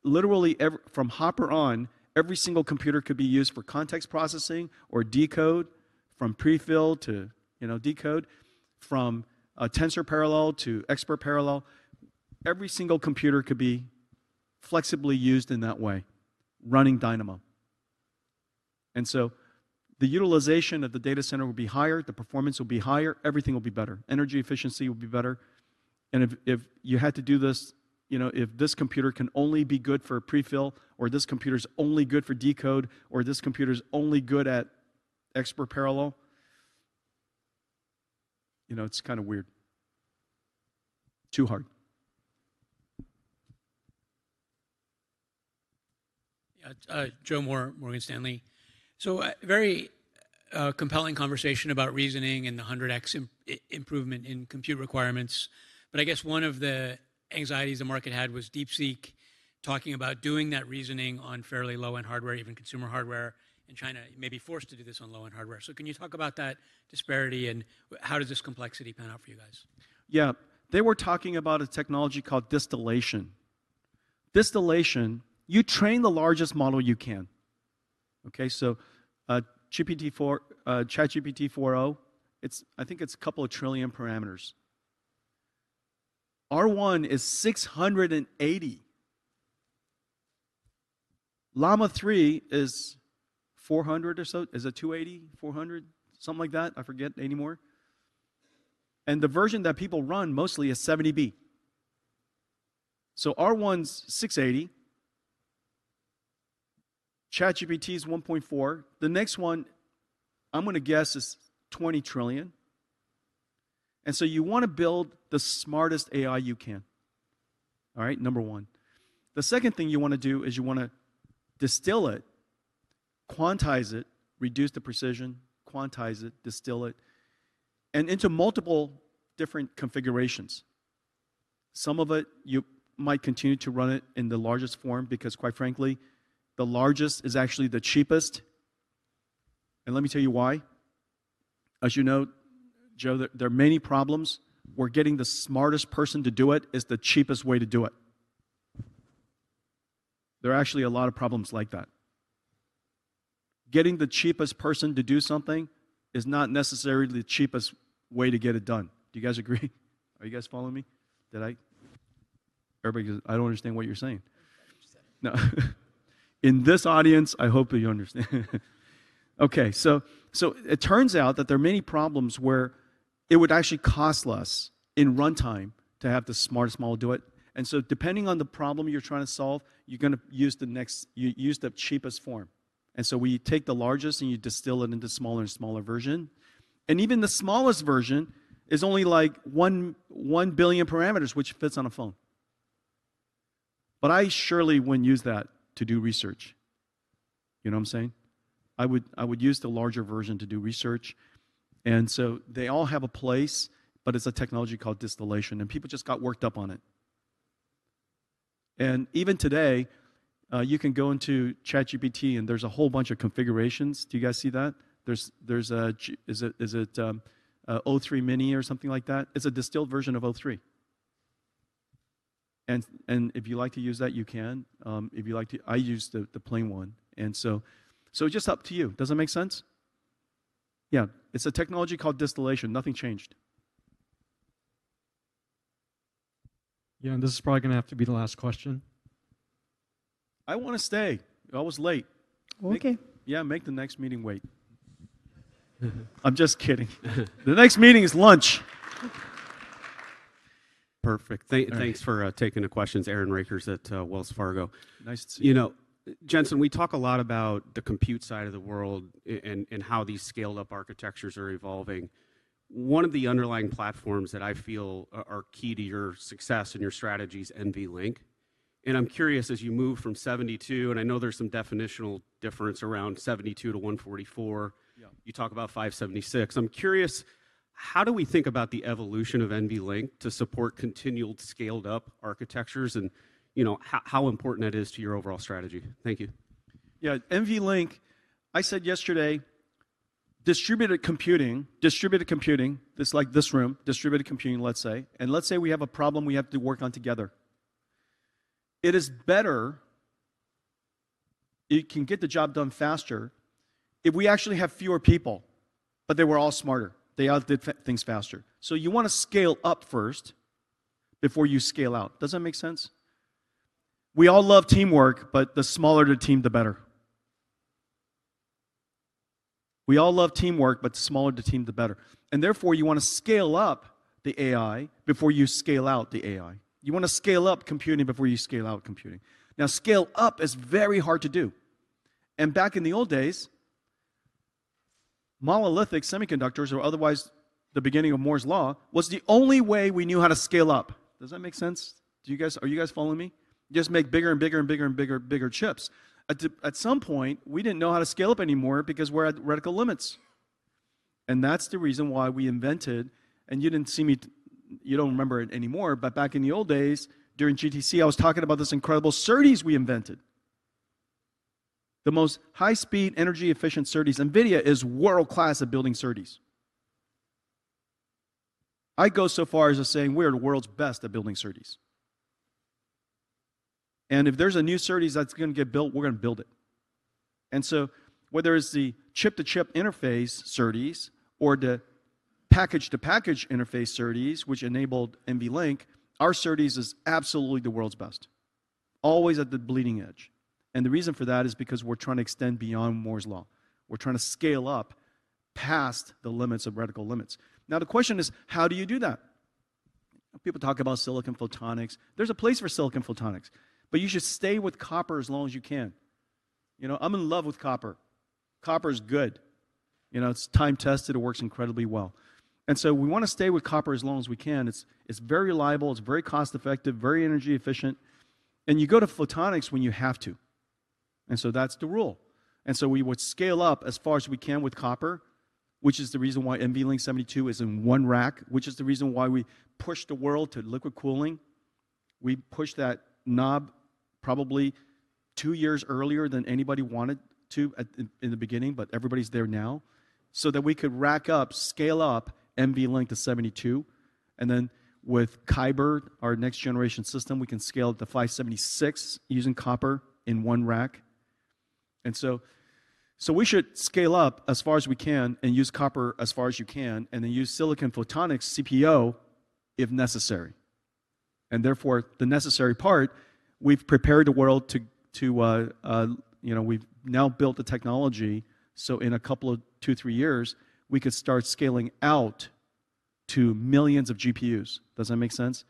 literally from Hopper on, every single computer could be used for context processing or decode, from prefill to decode, from tensor parallel to expert parallel. Every single computer could be flexibly used in that way, running Dynamo. The utilization of the data center will be higher, the performance will be higher, everything will be better. Energy efficiency will be better. If you had to do this, if this computer can only be good for prefill, or this computer's only good for decode, or this computer's only good at expert parallel, it's kind of weird. Too hard. Yeah. Joe Moore, Morgan Stanley. Very compelling conversation about reasoning and the 100x improvement in compute requirements. I guess one of the anxieties the market had was DeepSeek talking about doing that reasoning on fairly low-end hardware, even consumer hardware, and China may be forced to do this on low-end hardware. Can you talk about that disparity and how did this complexity pan out for you guys? Yeah. They were talking about a technology called distillation. Distillation, you train the largest model you can. Okay. ChatGPT 4.0, I think it's a couple of trillion parameters. R1 is 680. Llama 3 is 400 or so. Is it 280, 400, something like that? I forget anymore. The version that people run mostly is 70B. R1's 680. ChatGPT's 1.4. The next one I'm going to guess is 20 trillion. You want to build the smartest AI you can. All right? Number one. The second thing you want to do is you want to distill it, quantize it, reduce the precision, quantize it, distill it, and into multiple different configurations. Some of it, you might continue to run it in the largest form because, quite frankly, the largest is actually the cheapest. Let me tell you why. As you know, Joe, there are many problems. We're getting the smartest person to do it is the cheapest way to do it. There are actually a lot of problems like that. Getting the cheapest person to do something is not necessarily the cheapest way to get it done. Do you guys agree? Are you guys following me? Did I? Everybody goes, "I don't understand what you're saying." No. In this audience, I hope that you understand. Okay. It turns out that there are many problems where it would actually cost less in runtime to have the smartest model do it. Depending on the problem you're trying to solve, you're going to use the cheapest form. When you take the largest and you distill it into smaller and smaller version, and even the smallest version is only like one billion parameters, which fits on a phone. I surely would not use that to do research. You know what I am saying? I would use the larger version to do research. They all have a place, but it is a technology called distillation. People just got worked up on it. Even today, you can go into ChatGPT and there is a whole bunch of configurations. Do you guys see that? Is it 0.3 mini or something like that? It is a distilled version of 0.3. If you like to use that, you can. If you like to, I use the plain one. It is just up to you. Does it make sense? Yeah. It is a technology called distillation. Nothing changed. Yeah. This is probably going to have to be the last question. I want to stay. I was late. Okay. Yeah. Make the next meeting wait. I'm just kidding. The next meeting is lunch. Perfect. Thanks for taking the questions, Aaron Rakers at Wells Fargo. Nice to see you. Jensen, we talk a lot about the compute side of the world and how these scaled-up architectures are evolving. One of the underlying platforms that I feel are key to your success and your strategy is NVLink. I am curious as you move from 72, and I know there is some definitional difference around 72 to 144. You talk about 576. I am curious, how do we think about the evolution of NVLink to support continued scaled-up architectures and how important that is to your overall strategy? Thank you. Yeah. NVLink, I said yesterday, distributed computing, distributed computing, it's like this room, distributed computing, let's say. Let's say we have a problem we have to work on together. It is better, it can get the job done faster if we actually have fewer people, but they were all smarter. They all did things faster. You want to scale up first before you scale out. Does that make sense? We all love teamwork, but the smaller the team, the better. We all love teamwork, but the smaller the team, the better. Therefore, you want to scale up the AI before you scale out the AI. You want to scale up computing before you scale out computing. Now, scale up is very hard to do. Back in the old days, monolithic semiconductors, or otherwise the beginning of Moore's Law, was the only way we knew how to scale up. Does that make sense? Are you guys following me? Just make bigger and bigger and bigger and bigger chips. At some point, we didn't know how to scale up anymore because we're at radical limits. That's the reason why we invented, and you didn't see me, you don't remember it anymore, but back in the old days, during GTC, I was talking about this incredible SerDes we invented. The most high-speed, energy-efficient SerDes. NVIDIA is world-class at building SerDes. I go so far as to say we are the world's best at building SerDes. If there's a new SerDes that's going to get built, we're going to build it. Whether it's the chip-to-chip interface SerDes or the package-to-package interface SerDes, which enabled NVLink, our SerDes is absolutely the world's best. Always at the bleeding edge. The reason for that is because we're trying to extend beyond Moore's Law. We're trying to scale up past the limits of radical limits. Now, the question is, how do you do that? People talk about silicon photonics. There's a place for silicon photonics. You should stay with copper as long as you can. I'm in love with copper. Copper is good. It's time-tested. It works incredibly well. We want to stay with copper as long as we can. It's very reliable. It's very cost-effective, very energy-efficient. You go to photonics when you have to. That's the rule. We would scale up as far as we can with copper, which is the reason why NVLink 72 is in one rack, which is the reason why we pushed the world to liquid cooling. We pushed that knob probably two years earlier than anybody wanted to in the beginning, but everybody's there now. That way we could rack up, scale up NVLink to 72. With Kyber, our next-generation system, we can scale up to 576 using copper in one rack. We should scale up as far as we can and use copper as far as you can and then use silicon photonics, CPO, if necessary. For the necessary part, we've prepared the world to we've now built the technology. In a couple of two, three years, we could start scaling out to millions of GPUs. Does that make sense?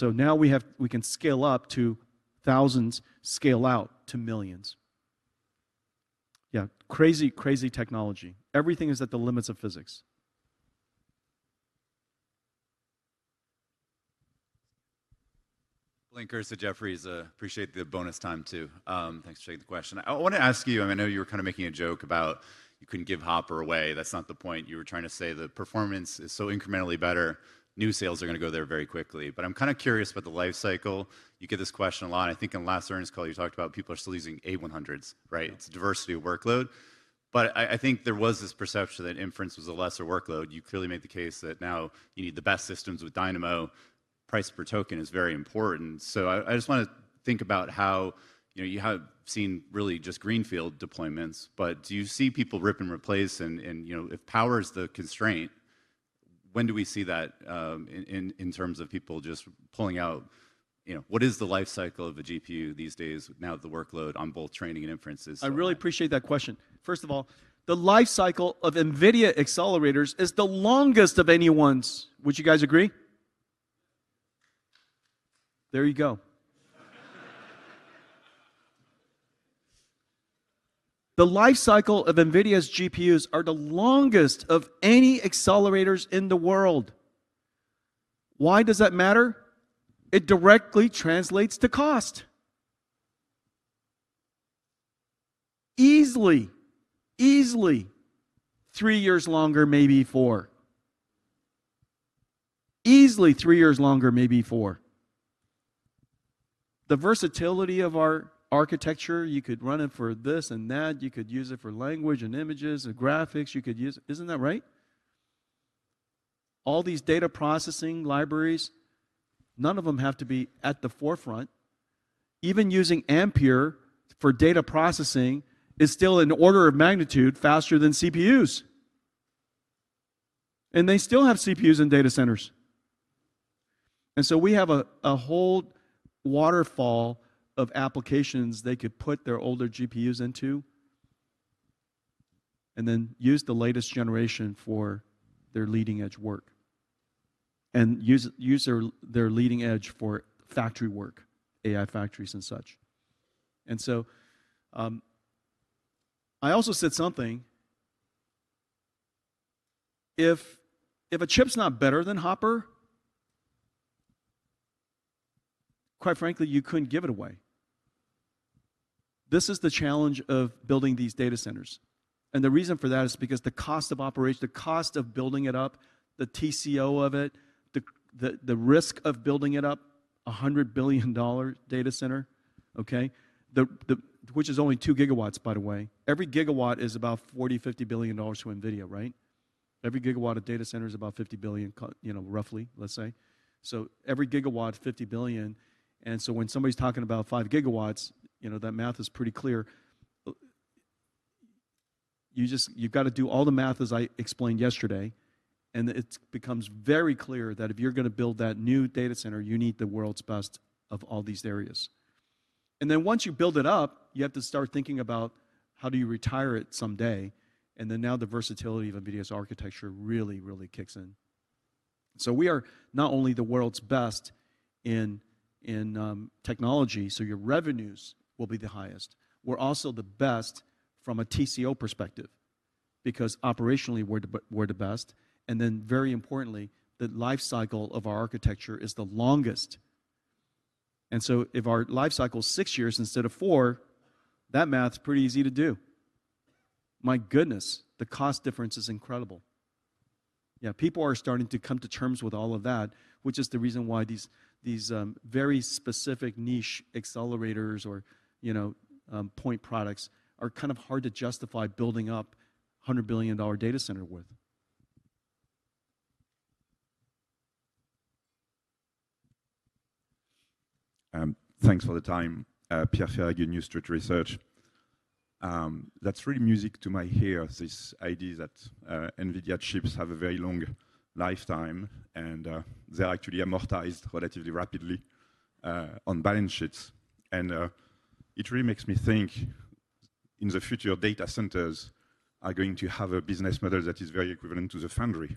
Now we can scale up to thousands, scale out to millions. Yeah. Crazy, crazy technology. Everything is at the limits of physics. Blayne Curtis, Jefferies, appreciate the bonus time too. Thanks for taking the question. I want to ask you, I know you were kind of making a joke about you couldn't give Hopper away. That's not the point. You were trying to say the performance is so incrementally better, new sales are going to go there very quickly. I'm kind of curious about the life cycle. You get this question a lot. I think in last earnings call, you talked about people are still using A100s, right? It's diversity of workload. I think there was this perception that inference was a lesser workload. You clearly made the case that now you need the best systems with Dynamo. Price per token is very important. I just want to think about how you have seen really just greenfield deployments. Do you see people rip and replace? If power is the constraint, when do we see that in terms of people just pulling out? What is the life cycle of a GPU these days, now that the workload on both training and inferences? I really appreciate that question. First of all, the life cycle of NVIDIA accelerators is the longest of anyone's. Would you guys agree? There you go. The life cycle of NVIDIA's GPUs are the longest of any accelerators in the world. Why does that matter? It directly translates to cost. Easily, easily three years longer, maybe four. Easily three years longer, maybe four. The versatility of our architecture, you could run it for this and that. You could use it for language and images and graphics. You could use it. Isn't that right? All these data processing libraries, none of them have to be at the forefront. Even using Ampere for data processing is still, in order of magnitude, faster than CPUs. And they still have CPUs in data centers. We have a whole waterfall of applications they could put their older GPUs into and then use the latest generation for their leading-edge work and use their leading edge for factory work, AI factories and such. I also said something. If a chip's not better than Hopper, quite frankly, you couldn't give it away. This is the challenge of building these data centers. The reason for that is because the cost of operation, the cost of building it up, the TCO of it, the risk of building it up, $100 billion data center, okay? Which is only 2 GW by the way. Every gigawatt is about $40 billion-$50 billion to NVIDIA, right? Every gigawatt of data center is about $50 billion, roughly, let's say. Every gigawatt, $50 billion. When somebody's talking about 5 gigawatts, that math is pretty clear. You've got to do all the math as I explained yesterday. It becomes very clear that if you're going to build that new data center, you need the world's best of all these areas. Once you build it up, you have to start thinking about how do you retire it someday. Now the versatility of NVIDIA's architecture really, really kicks in. We are not only the world's best in technology, so your revenues will be the highest. We're also the best from a TCO perspective because operationally, we're the best. Very importantly, the life cycle of our architecture is the longest. If our life cycle is six years instead of four, that math is pretty easy to do. My goodness, the cost difference is incredible. Yeah. People are starting to come to terms with all of that, which is the reason why these very specific niche accelerators or point products are kind of hard to justify building up a $100 billion data center with. Thanks for the time, Pierre Ferragu, New Street Research. That's really music to my ears, this idea that NVIDIA chips have a very long lifetime. And they're actually amortized relatively rapidly on balance sheets. It really makes me think in the future, data centers are going to have a business model that is very equivalent to the foundry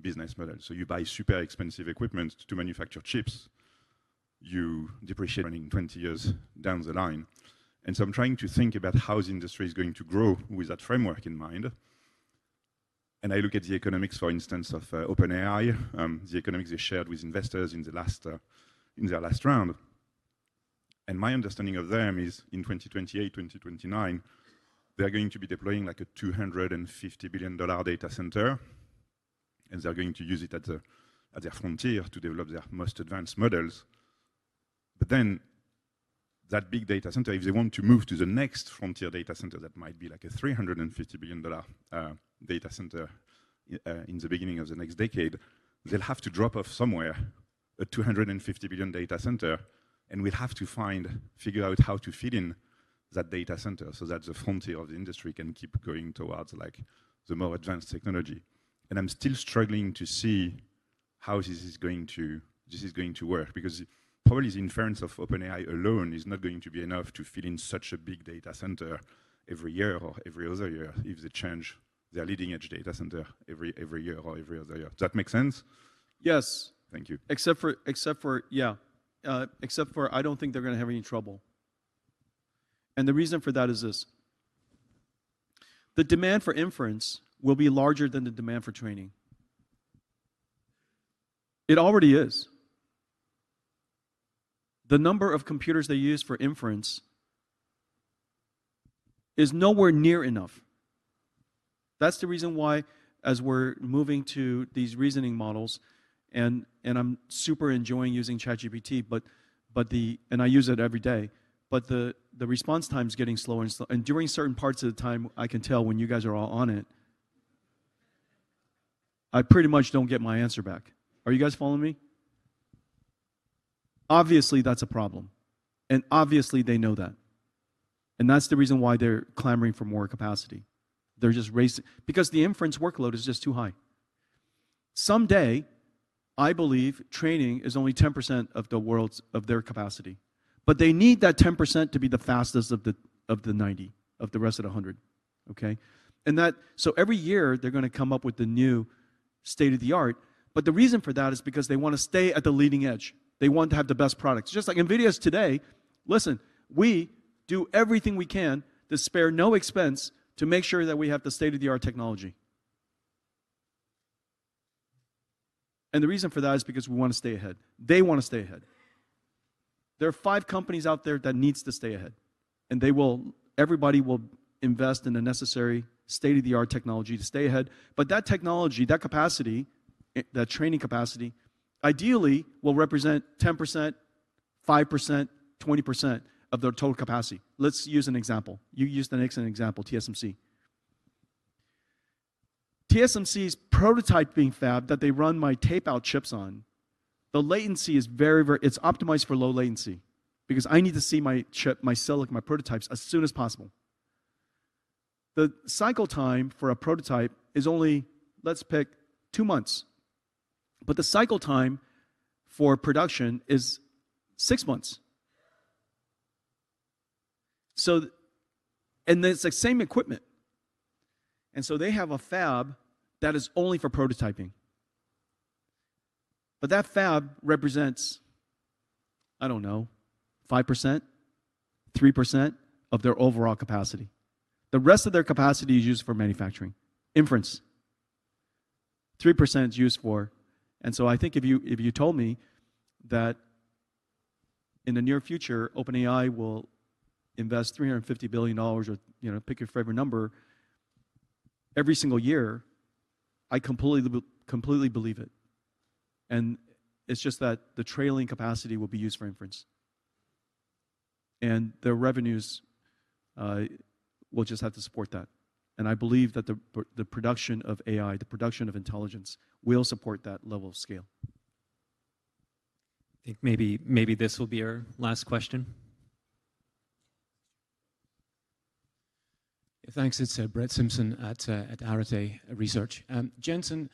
business model. You buy super expensive equipment to manufacture chips. You depreciate running 20 years down the line. I'm trying to think about how the industry is going to grow with that framework in mind. I look at the economics, for instance, of OpenAI. The economics they shared with investors in their last round. My understanding of them is in 2028, 2029, they're going to be deploying like a $250 billion data center. They're going to use it at their frontier to develop their most advanced models. That big data center, if they want to move to the next frontier data center, that might be like a $350 billion data center in the beginning of the next decade. They'll have to drop off somewhere a $250 billion data center. We'll have to figure out how to fit in that data center so that the frontier of the industry can keep going towards the more advanced technology. I'm still struggling to see how this is going to work because probably the inference of OpenAI alone is not going to be enough to fit in such a big data center every year or every other year if they change their leading-edge data center every year or every other year. Does that make sense? Yes. Thank you. Except for, yeah, except for I don't think they're going to have any trouble. The reason for that is this. The demand for inference will be larger than the demand for training. It already is. The number of computers they use for inference is nowhere near enough. That's the reason why as we're moving to these reasoning models, and I'm super enjoying using ChatGPT, and I use it every day, but the response time is getting slower. During certain parts of the time, I can tell when you guys are all on it, I pretty much don't get my answer back. Are you guys following me? Obviously, that's a problem. Obviously, they know that. That's the reason why they're clamoring for more capacity. They're just racing because the inference workload is just too high. Someday, I believe training is only 10% of the world's capacity. They need that 10% to be the fastest of the 90, of the rest of the 100. Okay? Every year, they're going to come up with the new state-of-the-art. The reason for that is because they want to stay at the leading edge. They want to have the best products. Just like NVIDIA is today, listen, we do everything we can to spare no expense to make sure that we have the state-of-the-art technology. The reason for that is because we want to stay ahead. They want to stay ahead. There are five companies out there that need to stay ahead. Everybody will invest in the necessary state-of-the-art technology to stay ahead. That technology, that capacity, that training capacity, ideally will represent 10%, 5%, 20% of their total capacity. Let's use an example. You used an example, TSMC. TSMC's prototype being fabbed that they run my tape-out chips on, the latency is very, very optimized for low latency because I need to see my prototypes as soon as possible. The cycle time for a prototype is only, let's pick two months. The cycle time for production is six months. It is the same equipment. They have a fab that is only for prototyping. That fab represents, I do not know, 5%, 3% of their overall capacity. The rest of their capacity is used for manufacturing, inference. 3% is used for. I think if you told me that in the near future, OpenAI will invest $350 billion or pick your favorite number every single year, I completely believe it. It is just that the trailing capacity will be used for inference. Their revenues will just have to support that. I believe that the production of AI, the production of intelligence will support that level of scale. I think maybe this will be our last question. Thanks. It's Brett Simpson at Arete Research. Jensen,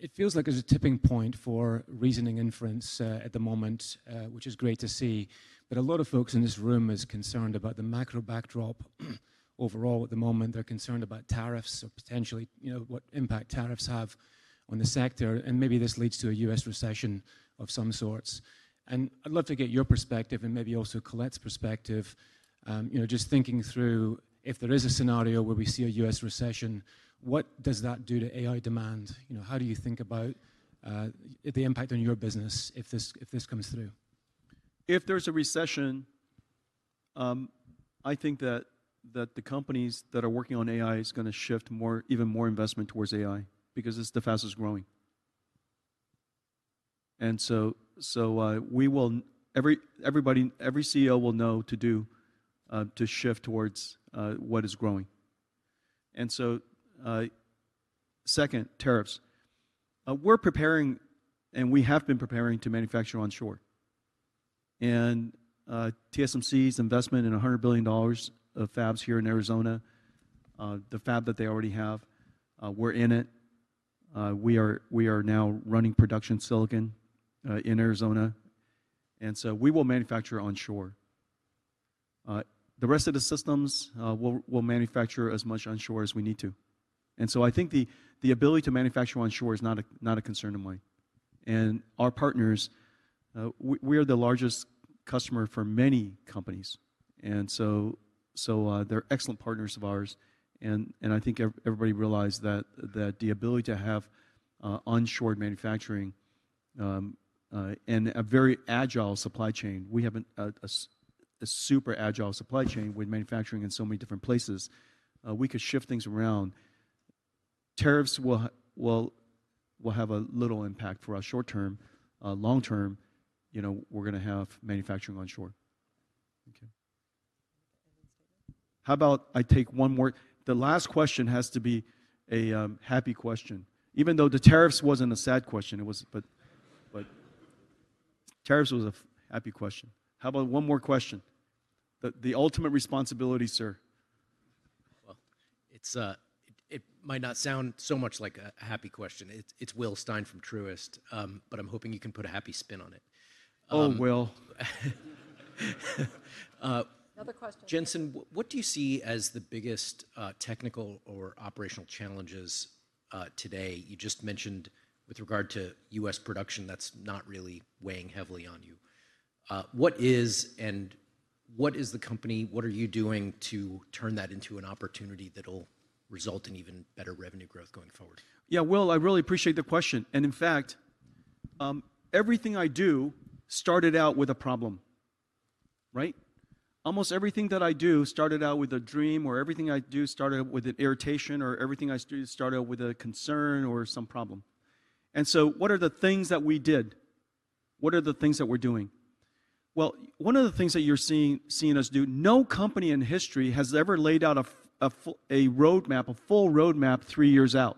it feels like there's a tipping point for reasoning inference at the moment, which is great to see. A lot of folks in this room are concerned about the macro backdrop overall at the moment. They're concerned about tariffs or potentially what impact tariffs have on the sector. Maybe this leads to a U.S. recession of some sorts. I'd love to get your perspective and maybe also Colette's perspective. Just thinking through, if there is a scenario where we see a U.S. recession, what does that do to AI demand? How do you think about the impact on your business if this comes through? If there's a recession, I think that the companies that are working on AI are going to shift even more investment towards AI because it's the fastest growing. Every CEO will know to shift towards what is growing. Second, tariffs. We're preparing, and we have been preparing to manufacture onshore. TSMC's investment in $100 billion of fabs here in Arizona, the fab that they already have, we're in it. We are now running production silicon in Arizona. We will manufacture onshore. The rest of the systems, we'll manufacture as much onshore as we need to. I think the ability to manufacture onshore is not a concern of mine. Our partners, we are the largest customer for many companies. They're excellent partners of ours. I think everybody realized that the ability to have onshore manufacturing and a very agile supply chain, we have a super agile supply chain with manufacturing in so many different places. We could shift things around. Tariffs will have a little impact for us short term. Long term, we're going to have manufacturing onshore. Okay. How about I take one more? The last question has to be a happy question. Even though the tariffs was not a sad question, but tariffs was a happy question. How about one more question? The ultimate responsibility, sir. It might not sound so much like a happy question. It's Will Stein from Truist. But I'm hoping you can put a happy spin on it. Oh, Will. Another question. Jensen, what do you see as the biggest technical or operational challenges today? You just mentioned with regard to U.S. production that's not really weighing heavily on you. What is, and what is the company? What are you doing to turn that into an opportunity that'll result in even better revenue growth going forward? Yeah, Will, I really appreciate the question. In fact, everything I do started out with a problem, right? Almost everything that I do started out with a dream or everything I do started out with an irritation or everything I do started out with a concern or some problem. What are the things that we did? What are the things that we're doing? One of the things that you're seeing us do, no company in history has ever laid out a roadmap, a full roadmap three years out.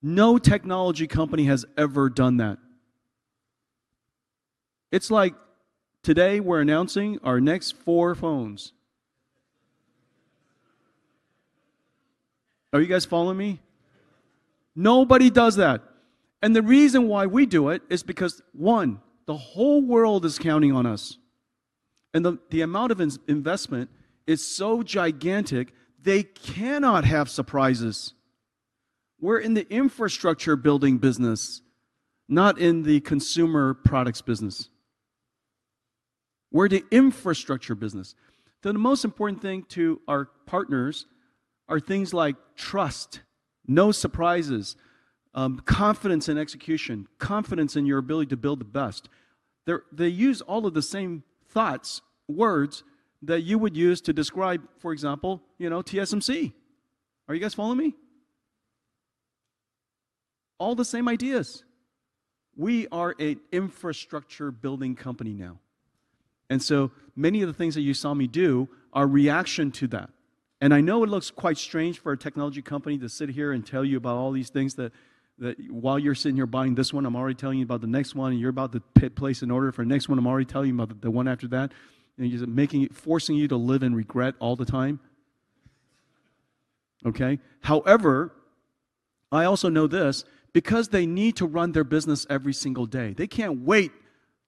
No technology company has ever done that. It is like today we're announcing our next four phones. Are you guys following me? Nobody does that. The reason why we do it is because, one, the whole world is counting on us. The amount of investment is so gigantic, they cannot have surprises. We're in the infrastructure building business, not in the consumer products business. We're the infrastructure business. The most important thing to our partners are things like trust, no surprises, confidence in execution, confidence in your ability to build the best. They use all of the same thoughts, words that you would use to describe, for example, TSMC. Are you guys following me? All the same ideas. We are an infrastructure building company now. Many of the things that you saw me do are reaction to that. I know it looks quite strange for a technology company to sit here and tell you about all these things that while you're sitting here buying this one, I'm already telling you about the next one, and you're about to place an order for the next one. I'm already telling you about the one after that. You're forcing you to live in regret all the time. Okay? However, I also know this because they need to run their business every single day. They can't wait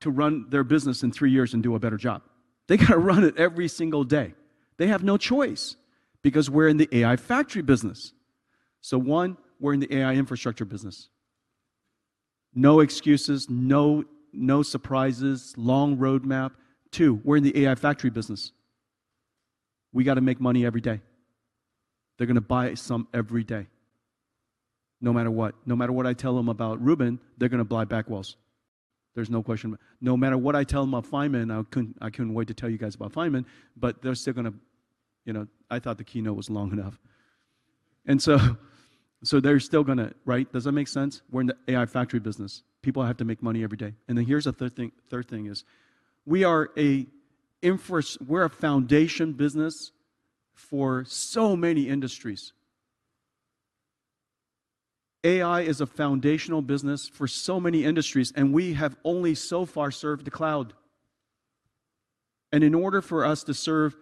to run their business in three years and do a better job. They got to run it every single day. They have no choice because we're in the AI factory business. One, we're in the AI infrastructure business. No excuses, no surprises, long roadmap. Two, we're in the AI factory business. We got to make money every day. They're going to buy some every day. No matter what. No matter what I tell them about Rubin, they're going to buy backwalls. There's no question. No matter what I tell them about Feynman, I couldn't wait to tell you guys about Feynman, but they're still going to, I thought the keynote was long enough. They're still going to, right? Does that make sense? We're in the AI factory business. People have to make money every day. Here's a third thing. We're a foundation business for so many industries. AI is a foundational business for so many industries, and we have only so far served the cloud. In order for us to serve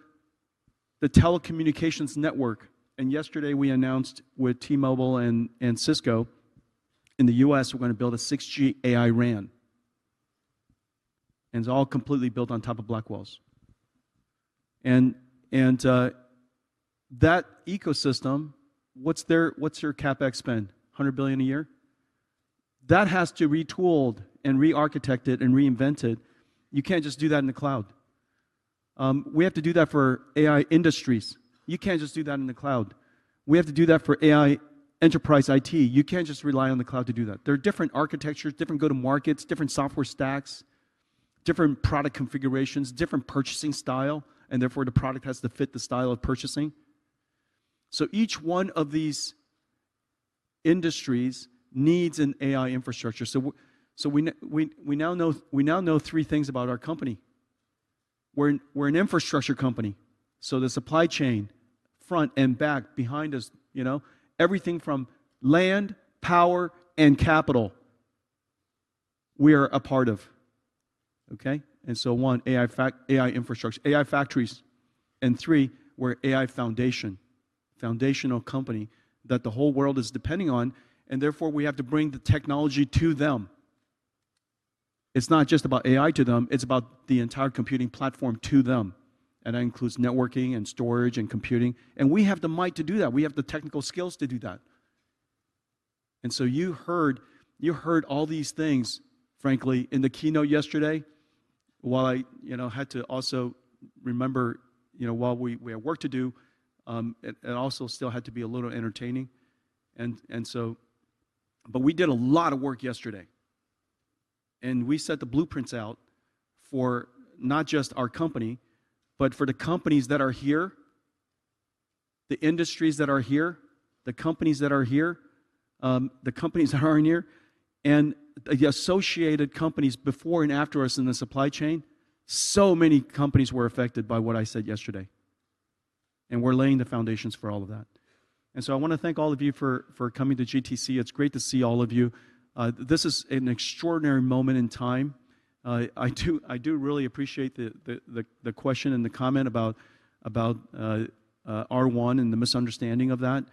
the telecommunications network, yesterday we announced with T-Mobile and Cisco in the U.S., we're going to build a 6G AI RAN. It's all completely built on top of Blackwells. That ecosystem, what's your CapEx spend? $100 billion a year? That has to be retooled and re-architected and reinvented. You can't just do that in the cloud. We have to do that for AI industries. You can't just do that in the cloud. We have to do that for AI enterprise IT. You can't just rely on the cloud to do that. There are different architectures, different go-to-markets, different software stacks, different product configurations, different purchasing style, and therefore the product has to fit the style of purchasing. Each one of these industries needs an AI infrastructure. We now know three things about our company. We're an infrastructure company. The supply chain, front and back, behind us, everything from land, power, and capital, we are a part of. One, AI infrastructure, AI factories. Three, we're an AI foundation, foundational company that the whole world is depending on. We have to bring the technology to them. It's not just about AI to them. It's about the entire computing platform to them. That includes networking and storage and computing. We have the might to do that. We have the technical skills to do that. You heard all these things, frankly, in the keynote yesterday while I had to also remember while we have work to do. It also still had to be a little entertaining. We did a lot of work yesterday. We set the blueprints out for not just our company, but for the companies that are here, the industries that are here, the companies that are here, and the associated companies before and after us in the supply chain. So many companies were affected by what I said yesterday. We are laying the foundations for all of that. I want to thank all of you for coming to GTC. It's great to see all of you. This is an extraordinary moment in time. I do really appreciate the question and the comment about R1 and the misunderstanding of that.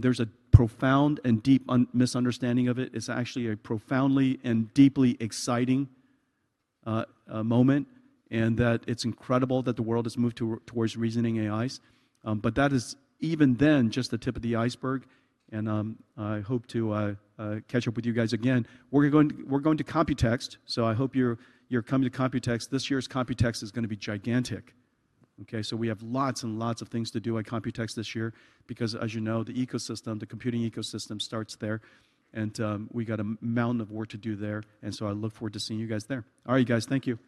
There's a profound and deep misunderstanding of it. It's actually a profoundly and deeply exciting moment. It's incredible that the world has moved towards reasoning AIs. That is even then just the tip of the iceberg. I hope to catch up with you guys again. We're going to Computex. I hope you're coming to Computex. This year's Computex is going to be gigantic. Okay? We have lots and lots of things to do at Computex this year because, as you know, the ecosystem, the computing ecosystem starts there. We got a mountain of work to do there. I look forward to seeing you guys there. All right, you guys. Thank you.